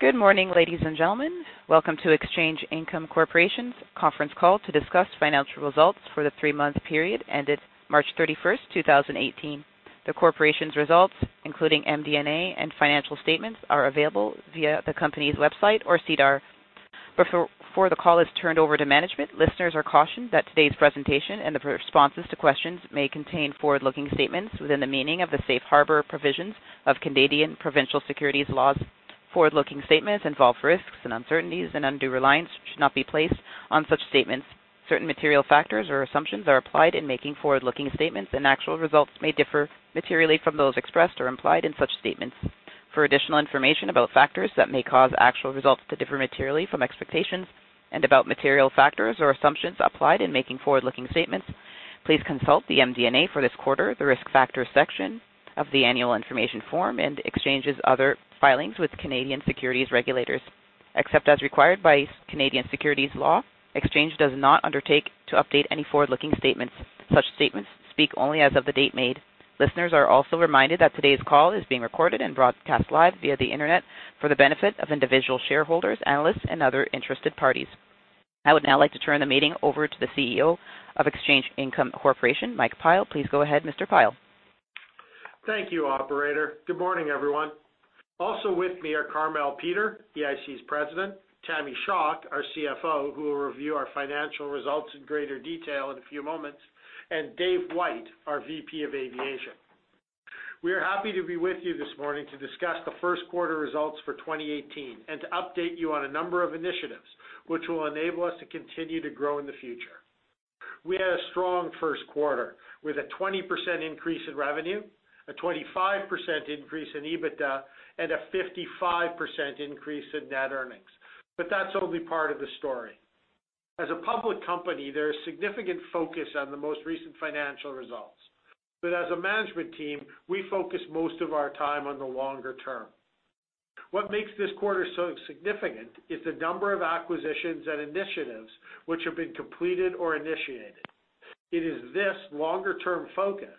Good morning, ladies and gentlemen. Welcome to Exchange Income Corporation's conference call to discuss financial results for the three-month period ended March 31st, 2018. The corporation's results, including MD&A and financial statements, are available via the company's website or SEDAR. Before the call is turned over to management, listeners are cautioned that today's presentation and the responses to questions may contain forward-looking statements within the meaning of the safe harbor provisions of Canadian provincial securities laws. Forward-looking statements involve risks and uncertainties, and undue reliance should not be placed on such statements. Certain material factors or assumptions are applied in making forward-looking statements, and actual results may differ materially from those expressed or implied in such statements. For additional information about factors that may cause actual results to differ materially from expectations and about material factors or assumptions applied in making forward-looking statements, please consult the MD&A for this quarter, the Risk Factors section of the annual information form, and Exchange's other filings with Canadian securities regulators. Except as required by Canadian securities law, Exchange does not undertake to update any forward-looking statements. Such statements speak only as of the date made. Listeners are also reminded that today's call is being recorded and broadcast live via the internet for the benefit of individual shareholders, analysts, and other interested parties. I would now like to turn the meeting over to the CEO of Exchange Income Corporation, Michael Pyle. Please go ahead, Mr. Pyle. Thank you, operator. Good morning, everyone. Also with me are Carmele Peter, EIC's President, Tamara Schock, our CFO, who will review our financial results in greater detail in a few moments, and David White, our VP of Aviation. We are happy to be with you this morning to discuss the first quarter results for 2018 and to update you on a number of initiatives which will enable us to continue to grow in the future. We had a strong first quarter with a 20% increase in revenue, a 25% increase in EBITDA, and a 55% increase in net earnings. That's only part of the story. As a public company, there is significant focus on the most recent financial results. As a management team, we focus most of our time on the longer term. What makes this quarter so significant is the number of acquisitions and initiatives which have been completed or initiated. It is this longer-term focus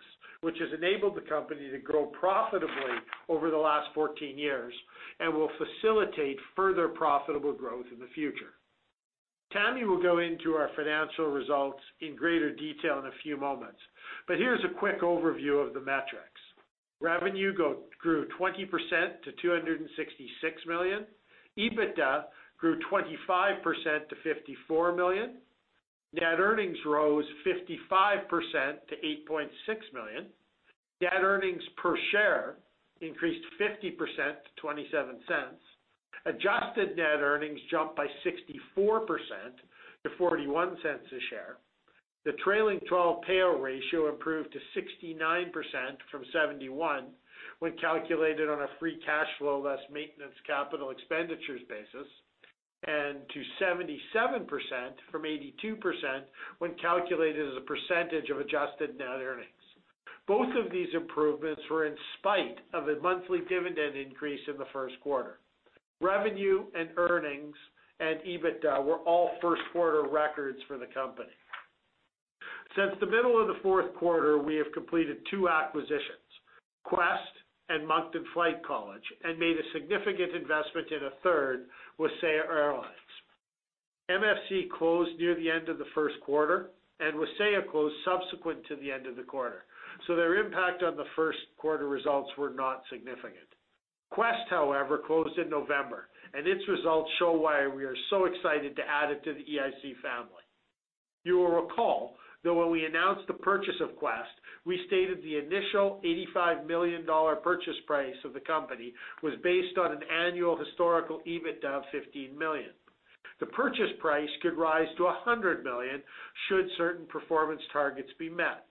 which has enabled the company to grow profitably over the last 14 years and will facilitate further profitable growth in the future. Tamara will go into our financial results in greater detail in a few moments, but here's a quick overview of the metrics. Revenue grew 20% to 266 million. EBITDA grew 25% to 54 million. Net earnings rose 55% to 8.6 million. Net earnings per share increased 50% to 0.27. Adjusted net earnings jumped by 64% to 0.41 a share. The trailing 12 payout ratio improved to 69% from 71% when calculated on a free cash flow less maintenance capital expenditures basis, and to 77% from 82% when calculated as a percentage of adjusted net earnings. Both of these improvements were in spite of a monthly dividend increase in the first quarter. Revenue and earnings and EBITDA were all first-quarter records for the company. Since the middle of the fourth quarter, we have completed two acquisitions, Quest and Moncton Flight College, and made a significant investment in a third with Wasaya Airlines. MFC closed near the end of the first quarter, and Wasaya closed subsequent to the end of the quarter. Their impact on the first quarter results were not significant. Quest, however, closed in November, and its results show why we are so excited to add it to the EIC family. You will recall that when we announced the purchase of Quest, we stated the initial 85 million dollar purchase price of the company was based on an annual historical EBITDA of 15 million. The purchase price could rise to 100 million should certain performance targets be met.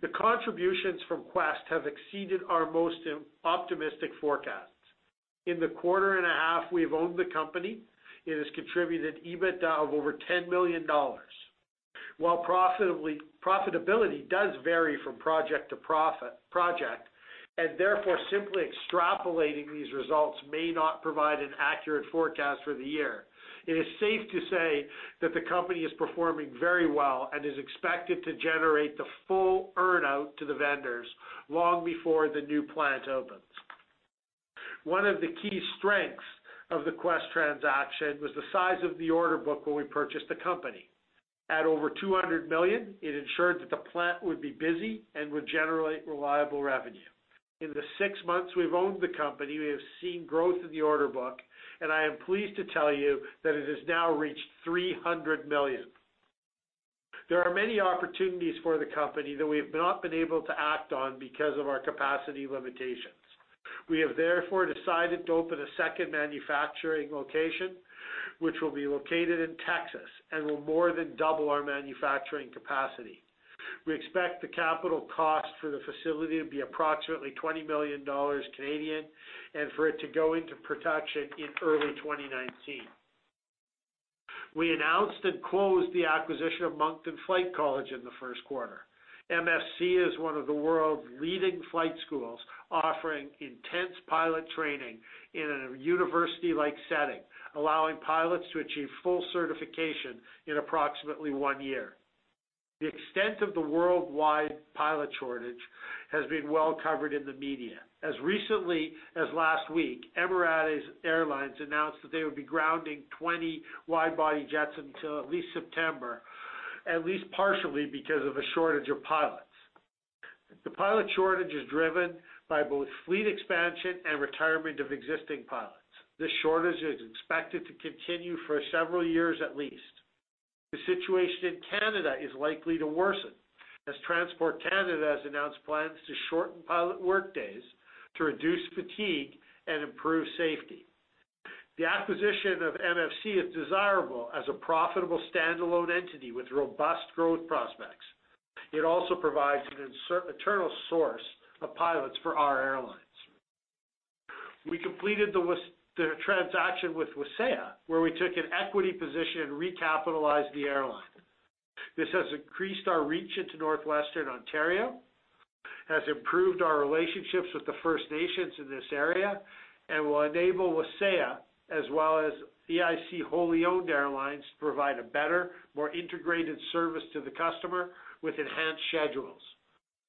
The contributions from Quest have exceeded our most optimistic forecasts. In the quarter and a half we've owned the company, it has contributed EBITDA of over 10 million dollars. While profitability does vary from project to project, and therefore simply extrapolating these results may not provide an accurate forecast for the year, it is safe to say that the company is performing very well and is expected to generate the full earn-out to the vendors long before the new plant opens. One of the key strengths of the Quest transaction was the size of the order book when we purchased the company. At over 200 million, it ensured that the plant would be busy and would generate reliable revenue. In the six months we've owned the company, we have seen growth in the order book, and I am pleased to tell you that it has now reached 300 million. There are many opportunities for the company that we have not been able to act on because of our capacity limitations. We have therefore decided to open a second manufacturing location, which will be located in Texas and will more than double our manufacturing capacity. We expect the capital cost for the facility to be approximately 20 million Canadian dollars and for it to go into production in early 2019. We announced and closed the acquisition of Moncton Flight College in the first quarter. MFC is one of the world's leading flight schools offering intense pilot training in a university-like setting, allowing pilots to achieve full certification in approximately one year. The extent of the worldwide pilot shortage has been well covered in the media. As recently as last week, Emirates Airlines announced that they would be grounding 20 wide-body jets until at least September, at least partially because of a shortage of pilots. The pilot shortage is driven by both fleet expansion and retirement of existing pilots. This shortage is expected to continue for several years at least. The situation in Canada is likely to worsen, as Transport Canada has announced plans to shorten pilot workdays to reduce fatigue and improve safety. The acquisition of MFC is desirable as a profitable standalone entity with robust growth prospects. It also provides an internal source of pilots for our airlines. We completed the transaction with Wasaya, where we took an equity position and recapitalized the airline. This has increased our reach into Northwestern Ontario, has improved our relationships with the First Nations in this area, and will enable Wasaya, as well as EIC wholly-owned airlines, to provide a better, more integrated service to the customer with enhanced schedules.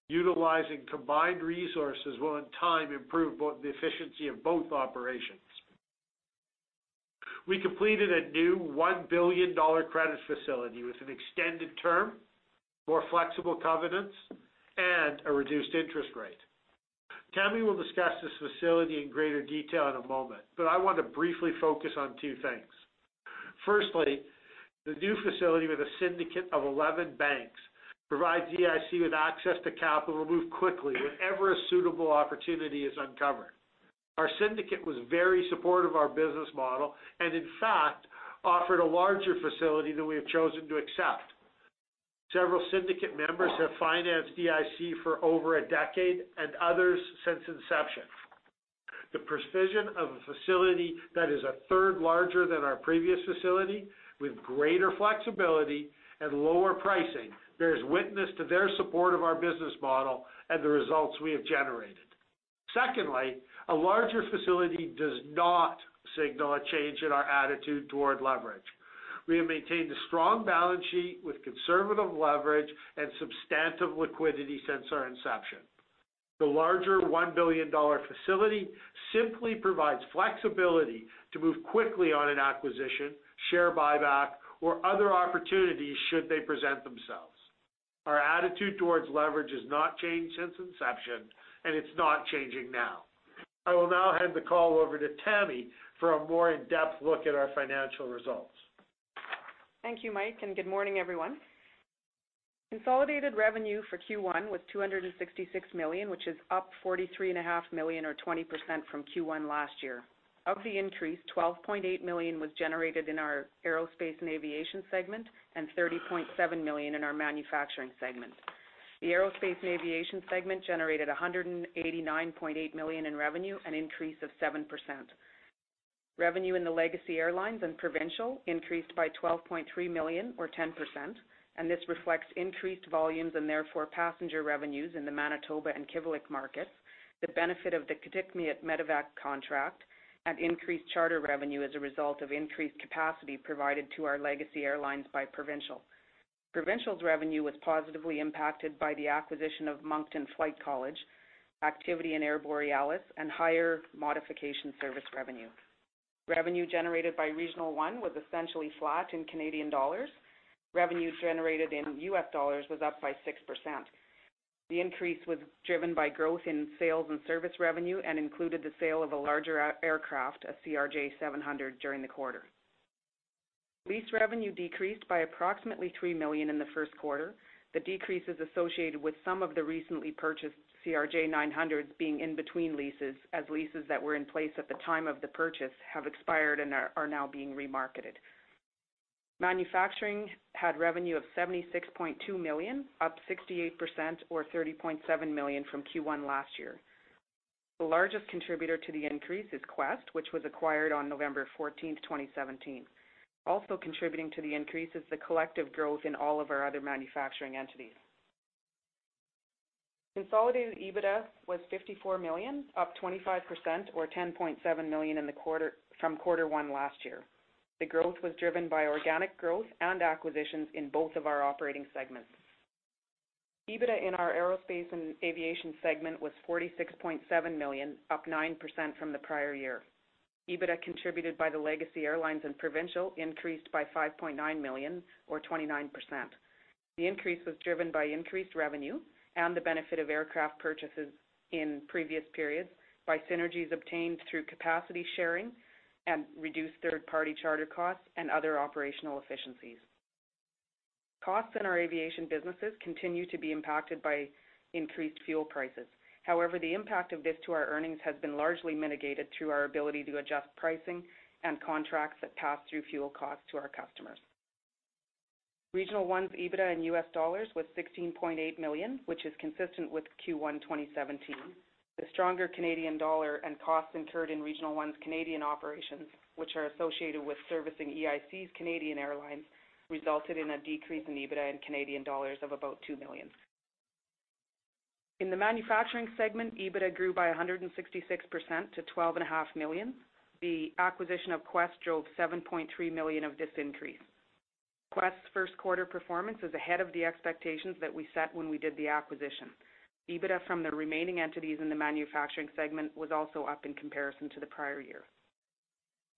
Utilizing combined resources will in time improve both the efficiency of both operations. We completed a new 1 billion dollar credit facility with an extended term, more flexible covenants, and a reduced interest rate. Tammy will discuss this facility in greater detail in a moment, but I want to briefly focus on two things. Firstly, the new facility with a syndicate of 11 banks provides EIC with access to capital to move quickly whenever a suitable opportunity is uncovered. Our syndicate was very supportive of our business model, and in fact, offered a larger facility than we have chosen to accept. Several syndicate members have financed EIC for over a decade, and others since inception. The provision of a facility that is a third larger than our previous facility, with greater flexibility and lower pricing, bears witness to their support of our business model and the results we have generated. Secondly, a larger facility does not signal a change in our attitude toward leverage. We have maintained a strong balance sheet with conservative leverage and substantive liquidity since our inception. The larger 1 billion dollar facility simply provides flexibility to move quickly on an acquisition, share buyback, or other opportunities should they present themselves. Our attitude towards leverage has not changed since inception, and it's not changing now. I will now hand the call over to Tammy for a more in-depth look at our financial results. Thank you, Mike, and good morning, everyone. Consolidated revenue for Q1 was 266 million, which is up 43.5 million or 20% from Q1 last year. Of the increase, 12.8 million was generated in our aerospace and aviation segment and 30.7 million in our manufacturing segment. The aerospace and aviation segment generated 189.8 million in revenue, an increase of 7%. Revenue in the Legacy Airlines and Provincial increased by 12.3 million or 10%, and this reflects increased volumes and therefore passenger revenues in the Manitoba and Kivalliq markets, the benefit of the Kitikmeot medevac contract, and increased charter revenue as a result of increased capacity provided to our Legacy Airlines by Provincial. Provincial's revenue was positively impacted by the acquisition of Moncton Flight College, activity in Air Borealis, and higher modification service revenue. Revenue generated by Regional One was essentially flat in CAD. Revenue generated in US dollars was up by 6%. The increase was driven by growth in sales and service revenue and included the sale of a larger aircraft, a CRJ-700, during the quarter. Lease revenue decreased by approximately 3 million in the first quarter. The decrease is associated with some of the recently purchased CRJ-900s being in between leases as leases that were in place at the time of the purchase have expired and are now being remarketed. Manufacturing had revenue of 76.2 million, up 68% or 30.7 million from Q1 last year. The largest contributor to the increase is Quest, which was acquired on November 14th, 2017. Also contributing to the increase is the collective growth in all of our other manufacturing entities. Consolidated EBITDA was 54 million, up 25% or 10.7 million from quarter one last year. The growth was driven by organic growth and acquisitions in both of our operating segments. EBITDA in our aerospace and aviation segment was 46.7 million, up 9% from the prior year. EBITDA contributed by the Legacy Airlines and Provincial increased by 5.9 million or 29%. The increase was driven by increased revenue and the benefit of aircraft purchases in previous periods by synergies obtained through capacity sharing and reduced third-party charter costs and other operational efficiencies. Costs in our aviation businesses continue to be impacted by increased fuel prices. However, the impact of this to our earnings has been largely mitigated through our ability to adjust pricing and contracts that pass through fuel costs to our customers. Regional One's EBITDA in US dollars was $16.8 million, which is consistent with Q1 2017. The stronger Canadian dollar and costs incurred in Regional One's Canadian operations, which are associated with servicing EIC's Canadian Airlines, resulted in a decrease in EBITDA in Canadian dollars of about 2 million. In the manufacturing segment, EBITDA grew by 166% to 12.5 million. The acquisition of Quest drove 7.3 million of this increase. Quest's first quarter performance is ahead of the expectations that we set when we did the acquisition. EBITDA from the remaining entities in the manufacturing segment was also up in comparison to the prior year.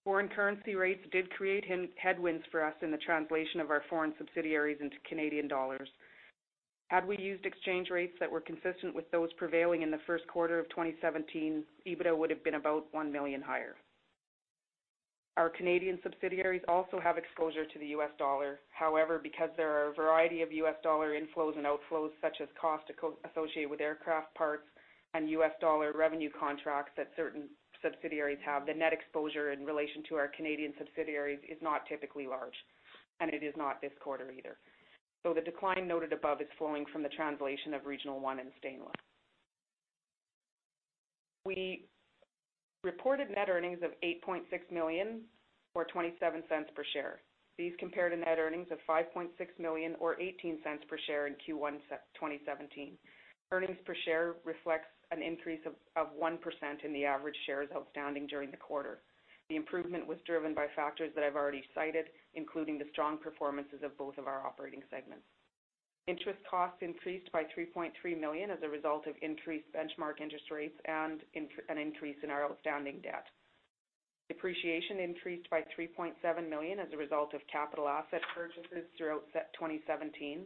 Foreign currency rates did create headwinds for us in the translation of our foreign subsidiaries into Canadian dollars. Had we used exchange rates that were consistent with those prevailing in the first quarter of 2017, EBITDA would've been about 1 million higher. Our Canadian subsidiaries also have exposure to the US dollar. However, because there are a variety of US dollar inflows and outflows, such as cost associated with aircraft parts and US dollar revenue contracts that certain subsidiaries have, the net exposure in relation to our Canadian subsidiaries is not typically large, and it is not this quarter either. The decline noted above is flowing from the translation of Regional One and Stainless. We reported net earnings of 8.6 million, or 0.27 per share. These compare to net earnings of 5.6 million or 0.18 per share in Q1 2017. Earnings per share reflects an increase of 1% in the average shares outstanding during the quarter. The improvement was driven by factors that I've already cited, including the strong performances of both of our operating segments. Interest costs increased by 3.3 million as a result of increased benchmark interest rates and an increase in our outstanding debt. Depreciation increased by 3.7 million as a result of capital asset purchases throughout 2017.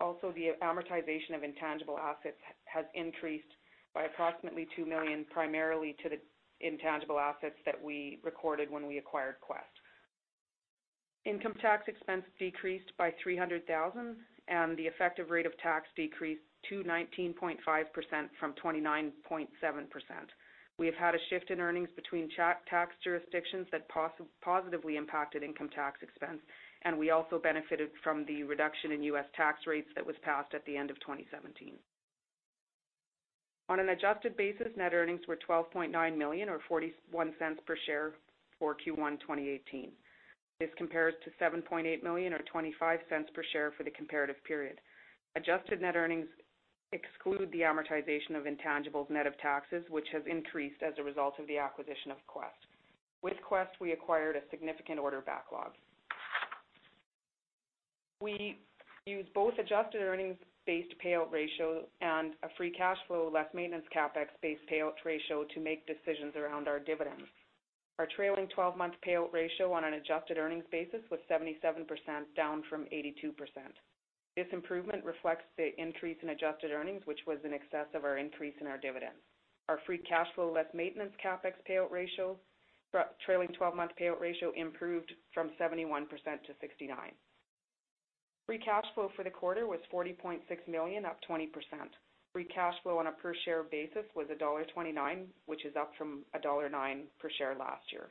Also, the amortization of intangible assets has increased by approximately 2 million, primarily to the intangible assets that we recorded when we acquired Quest. Income tax expense decreased by 300,000, and the effective rate of tax decreased to 19.5% from 29.7%. We have had a shift in earnings between tax jurisdictions that positively impacted income tax expense, and we also benefited from the reduction in US tax rates that was passed at the end of 2017. On an adjusted basis, net earnings were 12.9 million or 0.41 per share for Q1 2018. This compares to 7.8 million or 0.25 per share for the comparative period. Adjusted net earnings exclude the amortization of intangibles net of taxes, which has increased as a result of the acquisition of Quest. With Quest, we acquired a significant order backlog. We use both adjusted earnings-based payout ratio and a free cash flow less maintenance CapEx-based payout ratio to make decisions around our dividends. Our trailing 12-month payout ratio on an adjusted earnings basis was 77%, down from 82%. This improvement reflects the increase in adjusted earnings, which was in excess of our increase in our dividends. Our free cash flow less maintenance CapEx payout ratio, trailing 12-month payout ratio improved from 71% to 69%. Free cash flow for the quarter was 40.6 million, up 20%. Free cash flow on a per share basis was dollar 1.29, which is up from dollar 1.09 per share last year.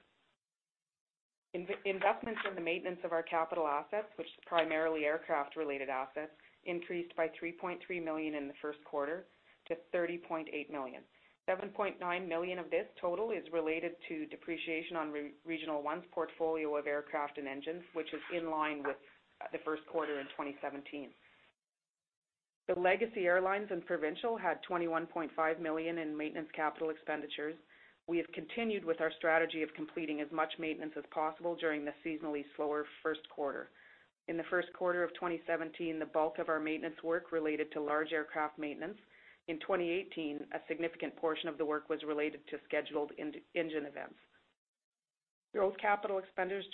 Investments in the maintenance of our capital assets, which is primarily aircraft-related assets, increased by 3.3 million in the first quarter to 30.8 million. 7.9 million of this total is related to depreciation on Regional One's portfolio of aircraft and engines, which is in line with the first quarter in 2017. The Legacy Airlines and Provincial had 21.5 million in maintenance capital expenditures. We have continued with our strategy of completing as much maintenance as possible during the seasonally slower first quarter. In the first quarter of 2017, the bulk of our maintenance work related to large aircraft maintenance. In 2018, a significant portion of the work was related to scheduled engine events. Growth capital expenditures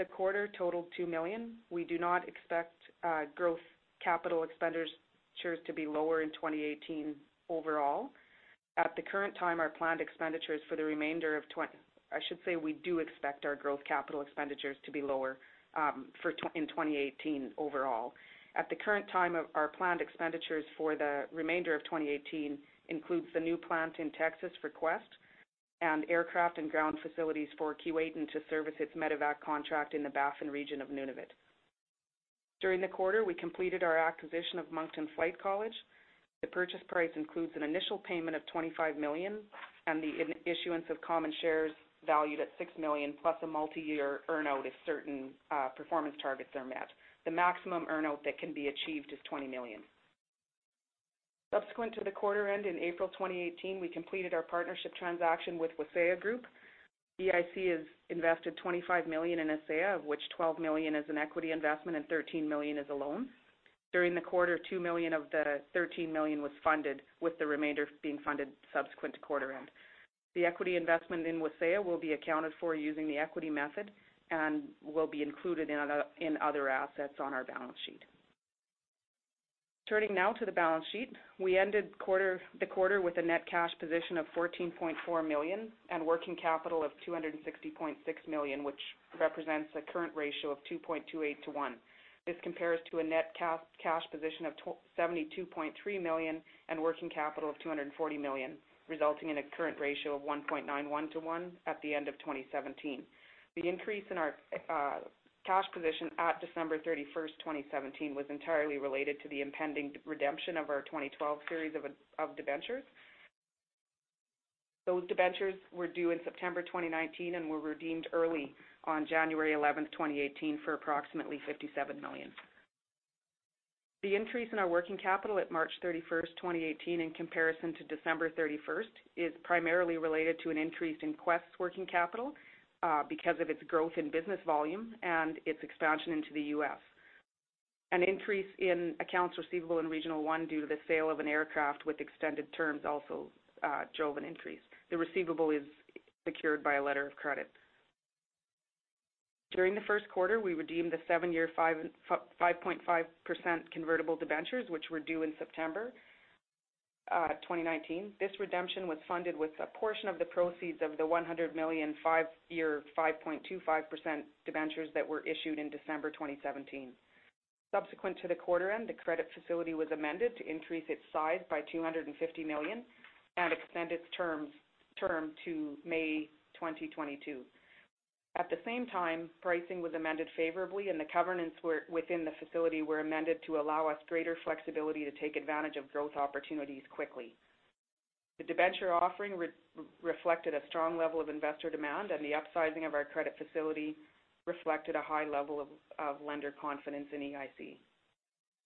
during the quarter totaled 2 million. We do not expect growth capital expenditures to be lower in 2018 overall. I should say, we do expect our growth capital expenditures to be lower in 2018 overall. At the current time, our planned expenditures for the remainder of 2018 includes the new plant in Texas for Quest and aircraft and ground facilities for Keewatin to service its medevac contract in the Baffin region of Nunavut. During the quarter, we completed our acquisition of Moncton Flight College. The purchase price includes an initial payment of 25 million and the issuance of common shares valued at 6 million, plus a multiyear earn-out if certain performance targets are met. The maximum earn-out that can be achieved is 20 million. Subsequent to the quarter end in April 2018, we completed our partnership transaction with Wasaya Group. EIC has invested 25 million in Wasaya, of which 12 million is an equity investment and 13 million is a loan. During the quarter, 2 million of the 13 million was funded, with the remainder being funded subsequent to quarter end. The equity investment in Wasaya will be accounted for using the equity method and will be included in other assets on our balance sheet. Turning now to the balance sheet. We ended the quarter with a net cash position of 14.4 million and working capital of 260.6 million, which represents a current ratio of 2.28 to 1. This compares to a net cash position of 72.3 million and working capital of 240 million, resulting in a current ratio of 1.91 to 1 at the end of 2017. The increase in our cash position at December 31st, 2017, was entirely related to the impending redemption of our 2012 series of debentures. Those debentures were due in September 2019 and were redeemed early on January 11th, 2018 for approximately 57 million. The increase in our working capital at March 31, 2018 in comparison to December 31 is primarily related to an increase in Quest working capital because of its growth in business volume and its expansion into the U.S. An increase in accounts receivable in Regional One due to the sale of an aircraft with extended terms also drove an increase. The receivable is secured by a letter of credit. During the first quarter, we redeemed the seven-year 5.5% convertible debentures which were due in September 2019. This redemption was funded with a portion of the proceeds of the 100 million five-year 5.25% debentures that were issued in December 2017. Subsequent to the quarter end, the credit facility was amended to increase its size by 250 million and extend its term to May 2022. At the same time, pricing was amended favorably and the covenants within the facility were amended to allow us greater flexibility to take advantage of growth opportunities quickly. The debenture offering reflected a strong level of investor demand and the upsizing of our credit facility reflected a high level of lender confidence in EIC.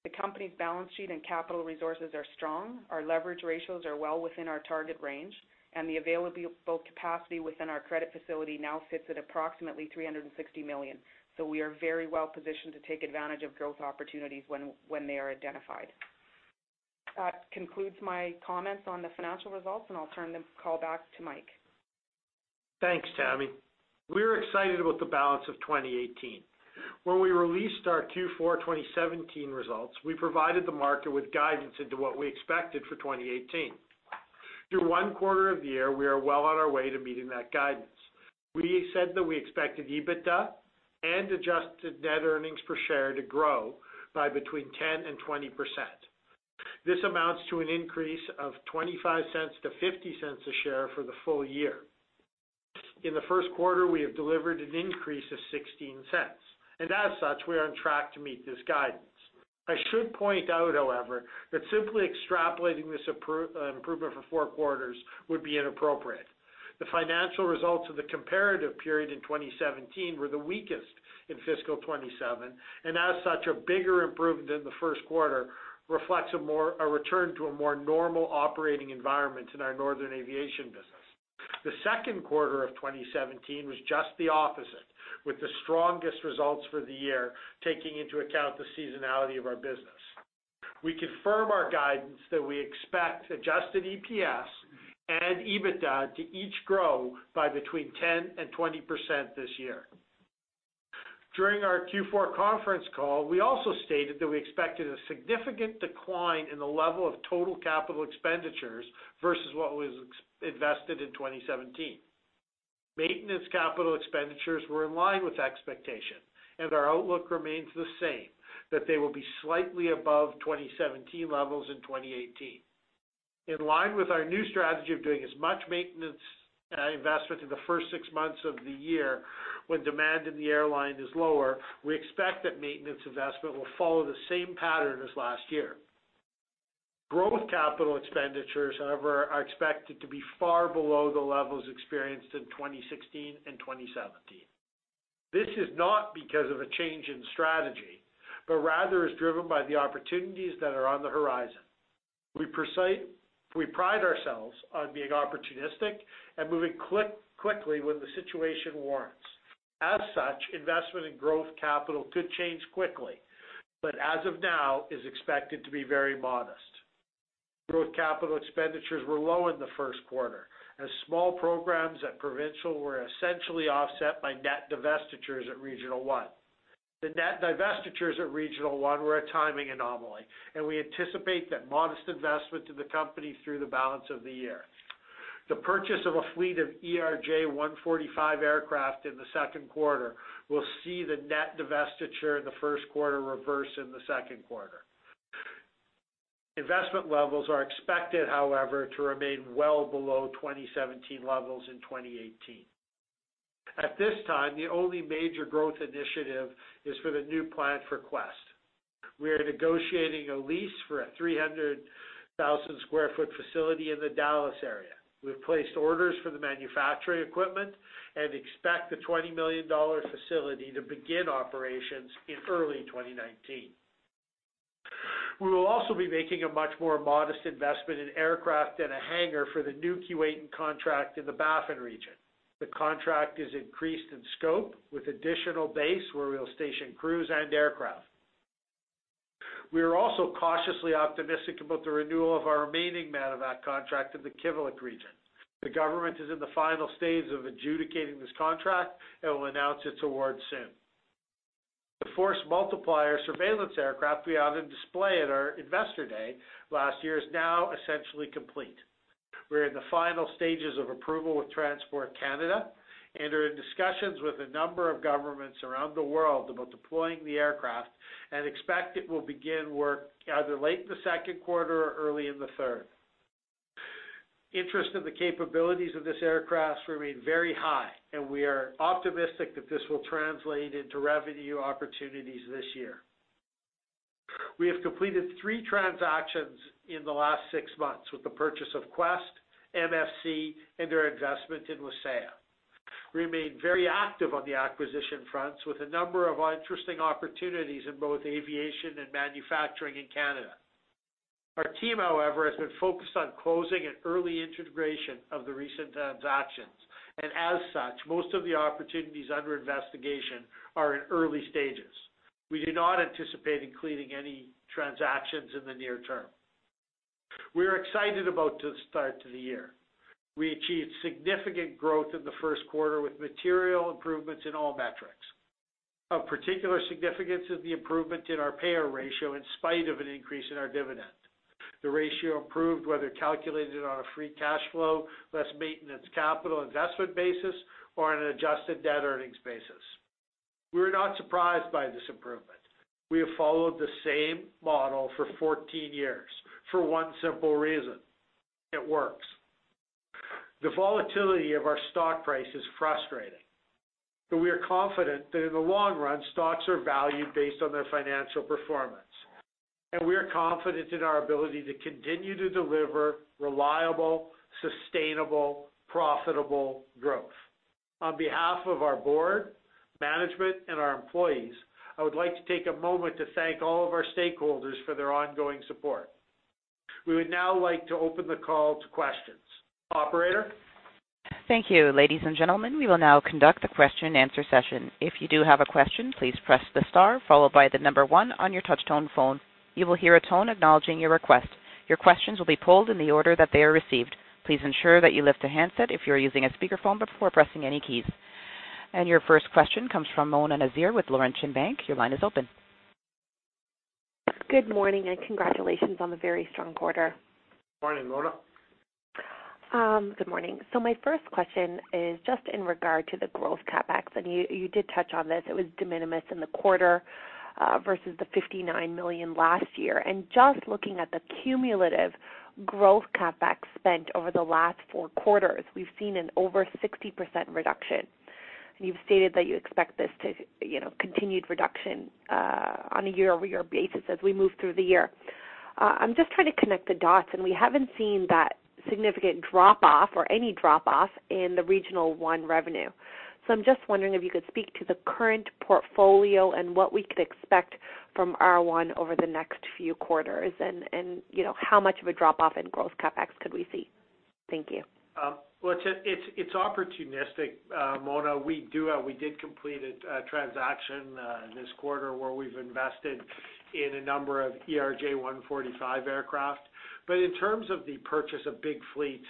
The company's balance sheet and capital resources are strong. Our leverage ratios are well within our target range and the available capacity within our credit facility now sits at approximately 360 million. We are very well positioned to take advantage of growth opportunities when they are identified. That concludes my comments on the financial results and I'll turn the call back to Mike. Thanks, Tammy. We're excited about the balance of 2018. When we released our Q4 2017 results, we provided the market with guidance into what we expected for 2018. Through one quarter of the year, we are well on our way to meeting that guidance. We said that we expected EBITDA and adjusted net earnings per share to grow by between 10% and 20%. This amounts to an increase of 0.25-0.50 a share for the full year. In the first quarter, we have delivered an increase of 0.16 and as such we are on track to meet this guidance. I should point out however that simply extrapolating this improvement for four quarters would be inappropriate. The financial results of the comparative period in 2017 were the weakest in fiscal 2017 and as such a bigger improvement in the first quarter reflects a return to a more normal operating environment in our Northern aviation business. The second quarter of 2017 was just the opposite with the strongest results for the year taking into account the seasonality of our business. We confirm our guidance that we expect adjusted EPS and EBITDA to each grow by between 10% and 20% this year. During our Q4 conference call, we also stated that we expected a significant decline in the level of total capital expenditures versus what was invested in 2017. Maintenance capital expenditures were in line with expectation and our outlook remains the same that they will be slightly above 2017 levels in 2018. In line with our new strategy of doing as much maintenance investment in the first six months of the year when demand in the airline is lower, we expect that maintenance investment will follow the same pattern as last year. Growth capital expenditures, however, are expected to be far below the levels experienced in 2016 and 2017. This is not because of a change in strategy but rather is driven by the opportunities that are on the horizon. We pride ourselves on being opportunistic and moving quickly when the situation warrants. As such, investment in growth capital could change quickly, but as of now is expected to be very modest. Growth capital expenditures were low in the first quarter as small programs at Provincial were essentially offset by net divestitures at Regional One. The net divestitures at Regional One were a timing anomaly and we anticipate that modest investment to the company through the balance of the year. The purchase of a fleet of ERJ 145 aircraft in the second quarter will see the net divestiture in the first quarter reverse in the second quarter. Investment levels are expected, however, to remain well below 2017 levels in 2018. At this time, the only major growth initiative is for the new plant for Quest. We are negotiating a lease for a 300,000 sq ft facility in the Dallas area. We've placed orders for the manufacturing equipment and expect the 20 million dollar facility to begin operations in early 2019. We will also be making a much more modest investment in aircraft and a hangar for the new Keewatin contract in the Baffin region. The contract is increased in scope with additional base where we'll station crews and aircraft. We are also cautiously optimistic about the renewal of our remaining medevac contract in the Kivalliq region. The government is in the final stages of adjudicating this contract and will announce its award soon. The Force Multiplier surveillance aircraft we had on display at our investor day last year is now essentially complete. We're in the final stages of approval with Transport Canada and are in discussions with a number of governments around the world about deploying the aircraft and expect it will begin work either late in the second quarter or early in the third. Interest in the capabilities of this aircraft remain very high and we are optimistic that this will translate into revenue opportunities this year. We have completed three transactions in the last six months with the purchase of Quest, MFC, and our investment in Wasaya. We remain very active on the acquisition fronts with a number of interesting opportunities in both aviation and manufacturing in Canada. Our team, however, has been focused on closing and early integration of the recent transactions and as such, most of the opportunities under investigation are in early stages. We do not anticipate including any transactions in the near term. We are excited about the start to the year. We achieved significant growth in the first quarter with material improvements in all metrics. Of particular significance is the improvement in our payout ratio in spite of an increase in our dividend. The ratio improved whether calculated on a free cash flow, less maintenance capital investment basis, or on an adjusted debt earnings basis. We were not surprised by this improvement. We have followed the same model for 14 years for one simple reason: it works. The volatility of our stock price is frustrating, but we are confident that in the long run, stocks are valued based on their financial performance, and we are confident in our ability to continue to deliver reliable, sustainable, profitable growth. On behalf of our board, management, and our employees, I would like to take a moment to thank all of our stakeholders for their ongoing support. We would now like to open the call to questions. Operator? Thank you. Ladies and gentlemen, we will now conduct the question and answer session. If you do have a question, please press the star followed by the number one on your touch-tone phone. You will hear a tone acknowledging your request. Your questions will be polled in the order that they are received. Please ensure that you lift the handset if you're using a speakerphone before pressing any keys. Your first question comes from Mona Nazir with Laurentian Bank. Your line is open. Good morning and congratulations on the very strong quarter. Morning, Mona. Good morning. My first question is just in regard to the growth CapEx, and you did touch on this. It was de minimis in the quarter versus the 59 million last year. Just looking at the cumulative growth CapEx spent over the last four quarters, we've seen an over 60% reduction. You've stated that you expect this to continued reduction on a year-over-year basis as we move through the year. I'm just trying to connect the dots, we haven't seen that significant drop-off or any drop-off in the Regional One revenue. I'm just wondering if you could speak to the current portfolio and what we could expect from R1 over the next few quarters and how much of a drop-off in growth CapEx could we see? Thank you. Well, it's opportunistic, Mona. We did complete a transaction this quarter where we've invested in a number of ERJ-145 aircraft. In terms of the purchase of big fleets,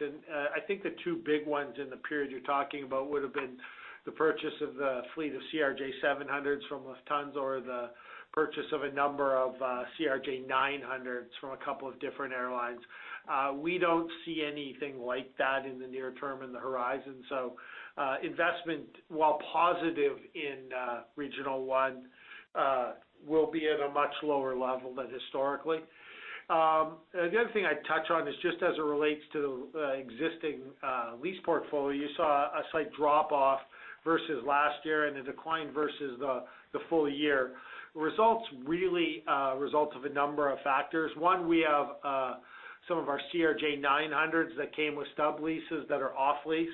I think the two big ones in the period you're talking about would have been the purchase of the fleet of CRJ-700s from Lufthansa or the purchase of a number of CRJ-900s from a couple of different airlines. We don't see anything like that in the near term in the horizon, investment, while positive in Regional One, will be at a much lower level than historically. The other thing I'd touch on is just as it relates to the existing lease portfolio, you saw a slight drop-off versus last year and a decline versus the full year. Results really result of a number of factors. One, we have some of our CRJ-900s that came with stub leases that are off lease.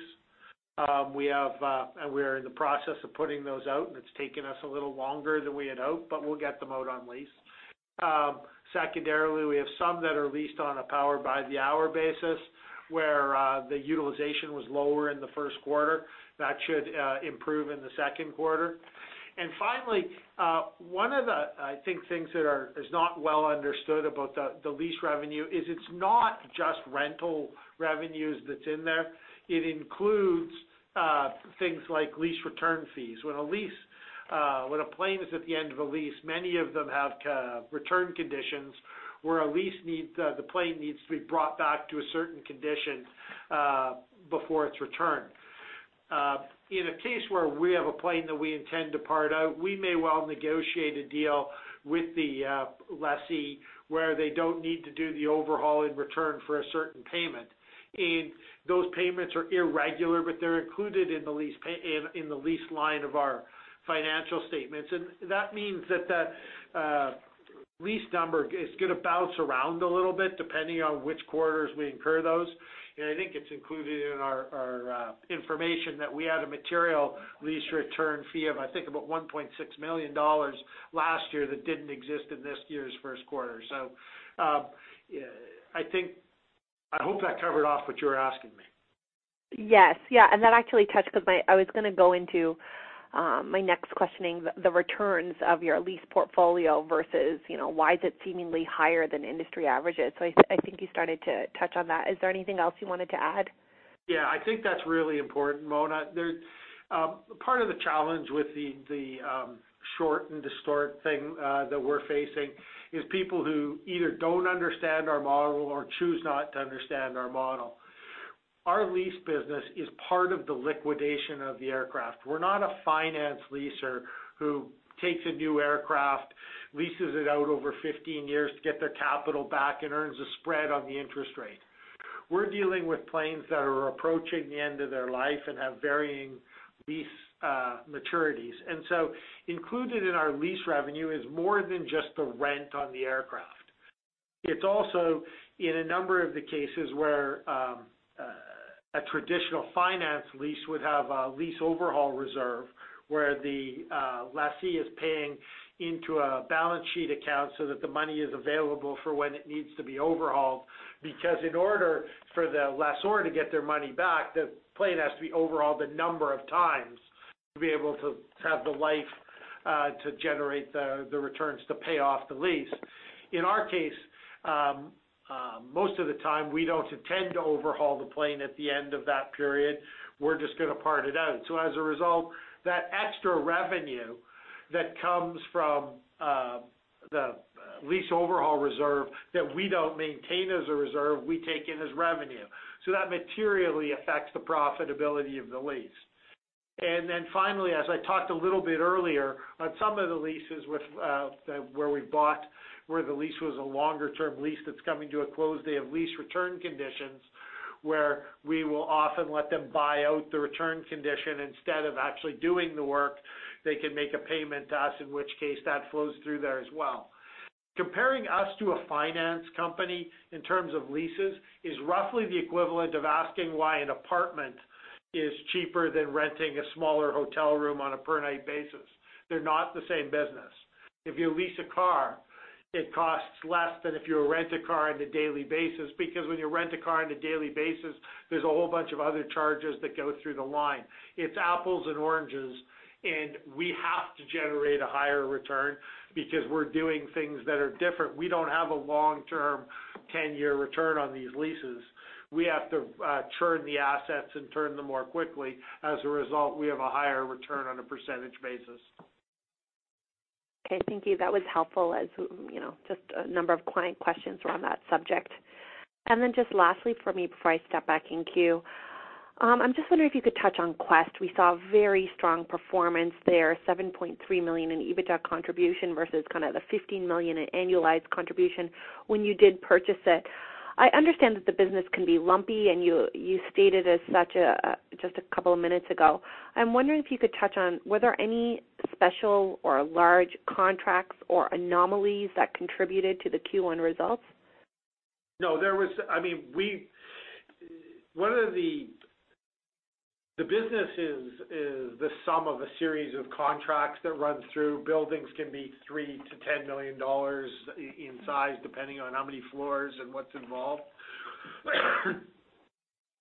We are in the process of putting those out, it's taken us a little longer than we had hoped, we'll get them out on lease. Secondarily, we have some that are leased on a power by the hour basis where the utilization was lower in the first quarter. That should improve in the second quarter. Finally, one of the, I think things that is not well understood about the lease revenue is it's not just rental revenues that's in there. It includes things like lease return fees. When a plane is at the end of a lease, many of them have return conditions where the plane needs to be brought back to a certain condition before it's returned. In a case where we have a plane that we intend to part out, we may well negotiate a deal with the lessee where they don't need to do the overhaul in return for a certain payment, those payments are irregular, they're included in the lease line of our financial statements. That means that that lease number is going to bounce around a little bit depending on which quarters we incur those. I think it's included in our information that we had a material lease return fee of, I think about 1.6 million dollars last year that didn't exist in this year's first quarter. I hope that covered off what you were asking me. Yes. That actually touched because I was going to go into my next questioning the returns of your lease portfolio versus why is it seemingly higher than industry averages. I think you started to touch on that. Is there anything else you wanted to add? Yeah, I think that's really important, Mona. Part of the challenge with the short and distort thing that we're facing is people who either don't understand our model or choose not to understand our model. Our lease business is part of the liquidation of the aircraft. We're not a finance leaser who takes a new aircraft, leases it out over 15 years to get their capital back and earns a spread on the interest rate. We're dealing with planes that are approaching the end of their life and have varying lease maturities. Included in our lease revenue is more than just the rent on the aircraft. It's also in a number of the cases where a traditional finance lease would have a lease overhaul reserve, where the lessee is paying into a balance sheet account so that the money is available for when it needs to be overhauled. Because in order for the lessor to get their money back, the plane has to be overhauled a number of times to be able to have the life to generate the returns to pay off the lease. In our case, most of the time we don't intend to overhaul the plane at the end of that period. We're just going to part it out. As a result, that extra revenue that comes from the lease overhaul reserve that we don't maintain as a reserve, we take in as revenue. That materially affects the profitability of the lease. Finally, as I talked a little bit earlier, on some of the leases where we bought, where the lease was a longer-term lease that's coming to a close, they have lease return conditions where we will often let them buy out the return condition. Instead of actually doing the work, they can make a payment to us, in which case that flows through there as well. Comparing us to a finance company in terms of leases is roughly the equivalent of asking why an apartment is cheaper than renting a smaller hotel room on a per night basis. They're not the same business. If you lease a car, it costs less than if you rent a car on a daily basis, because when you rent a car on a daily basis, there's a whole bunch of other charges that go through the line. It's apples and oranges. We have to generate a higher return because we're doing things that are different. We don't have a long-term 10-year return on these leases. We have to churn the assets and turn them more quickly. As a result, we have a higher return on a percentage basis. Okay, thank you. That was helpful as just a number of client questions were on that subject. Just lastly from me before I step back in queue, I'm just wondering if you could touch on Quest. We saw very strong performance there, 7.3 million in EBITDA contribution versus kind of the 15 million in annualized contribution when you did purchase it. I understand that the business can be lumpy, and you stated as such just a couple of minutes ago. I'm wondering if you could touch on, were there any special or large contracts or anomalies that contributed to the Q1 results? No. The business is the sum of a series of contracts that runs through. Buildings can be 3 million-10 million dollars in size, depending on how many floors and what's involved.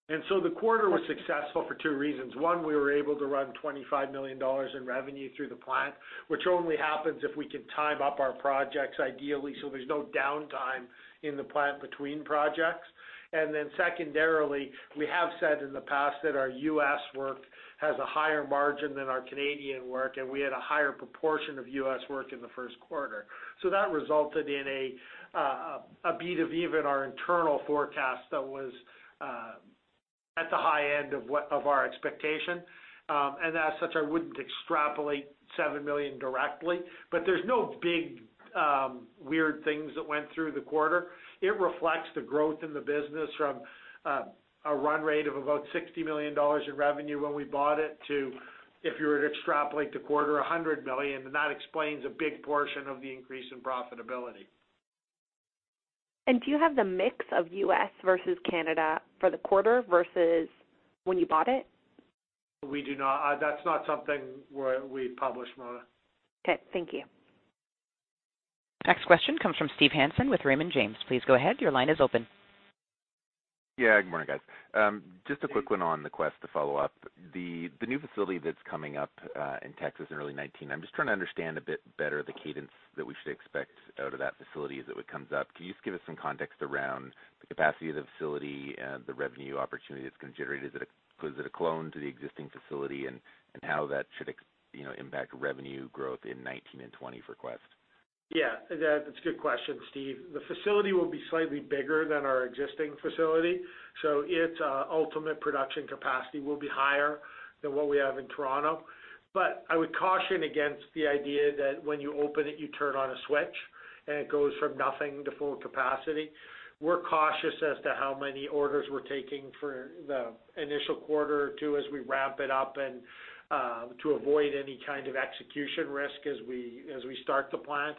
The quarter was successful for two reasons. One, we were able to run 25 million dollars in revenue through the plant, which only happens if we can time up our projects ideally so there's no downtime in the plant between projects. Secondarily, we have said in the past that our U.S. work has a higher margin than our Canadian work, and we had a higher proportion of U.S. work in the first quarter. That resulted in a beat of even our internal forecast that was at the high end of our expectation. As such, I wouldn't extrapolate 7 million directly, but there's no big weird things that went through the quarter. It reflects the growth in the business from a run rate of about 60 million dollars in revenue when we bought it to, if you were to extrapolate the quarter, 100 million, that explains a big portion of the increase in profitability. do you have the mix of U.S. versus Canada for the quarter versus when you bought it? We do not. That's not something we publish, Mona. Okay, thank you. Next question comes from Steve Hansen with Raymond James. Please go ahead. Your line is open. Yeah, good morning, guys. Just a quick one on Quest Window Systems to follow up. The new facility that is coming up in Texas in early 2019, I am just trying to understand a bit better the cadence that we should expect out of that facility as it comes up. Can you just give us some context around the capacity of the facility and the revenue opportunity that is going to generate? Is it a clone to the existing facility, and how that should impact revenue growth in 2019 and 2020 for Quest Window Systems? Yeah, that is a good question, Steve. The facility will be slightly bigger than our existing facility, so its ultimate production capacity will be higher than what we have in Toronto. I would caution against the idea that when you open it, you turn on a switch, and it goes from nothing to full capacity. We are cautious as to how many orders we are taking for the initial quarter or two as we ramp it up and to avoid any kind of execution risk as we start the plant.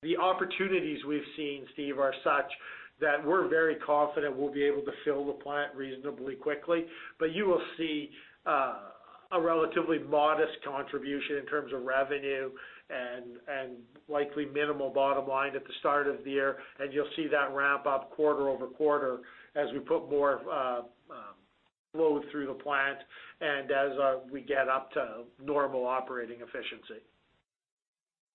The opportunities we have seen, Steve, are such that we are very confident we will be able to fill the plant reasonably quickly. You will see a relatively modest contribution in terms of revenue and likely minimal bottom line at the start of the year, and you will see that ramp up quarter-over-quarter as we put more flow through the plant and as we get up to normal operating efficiency.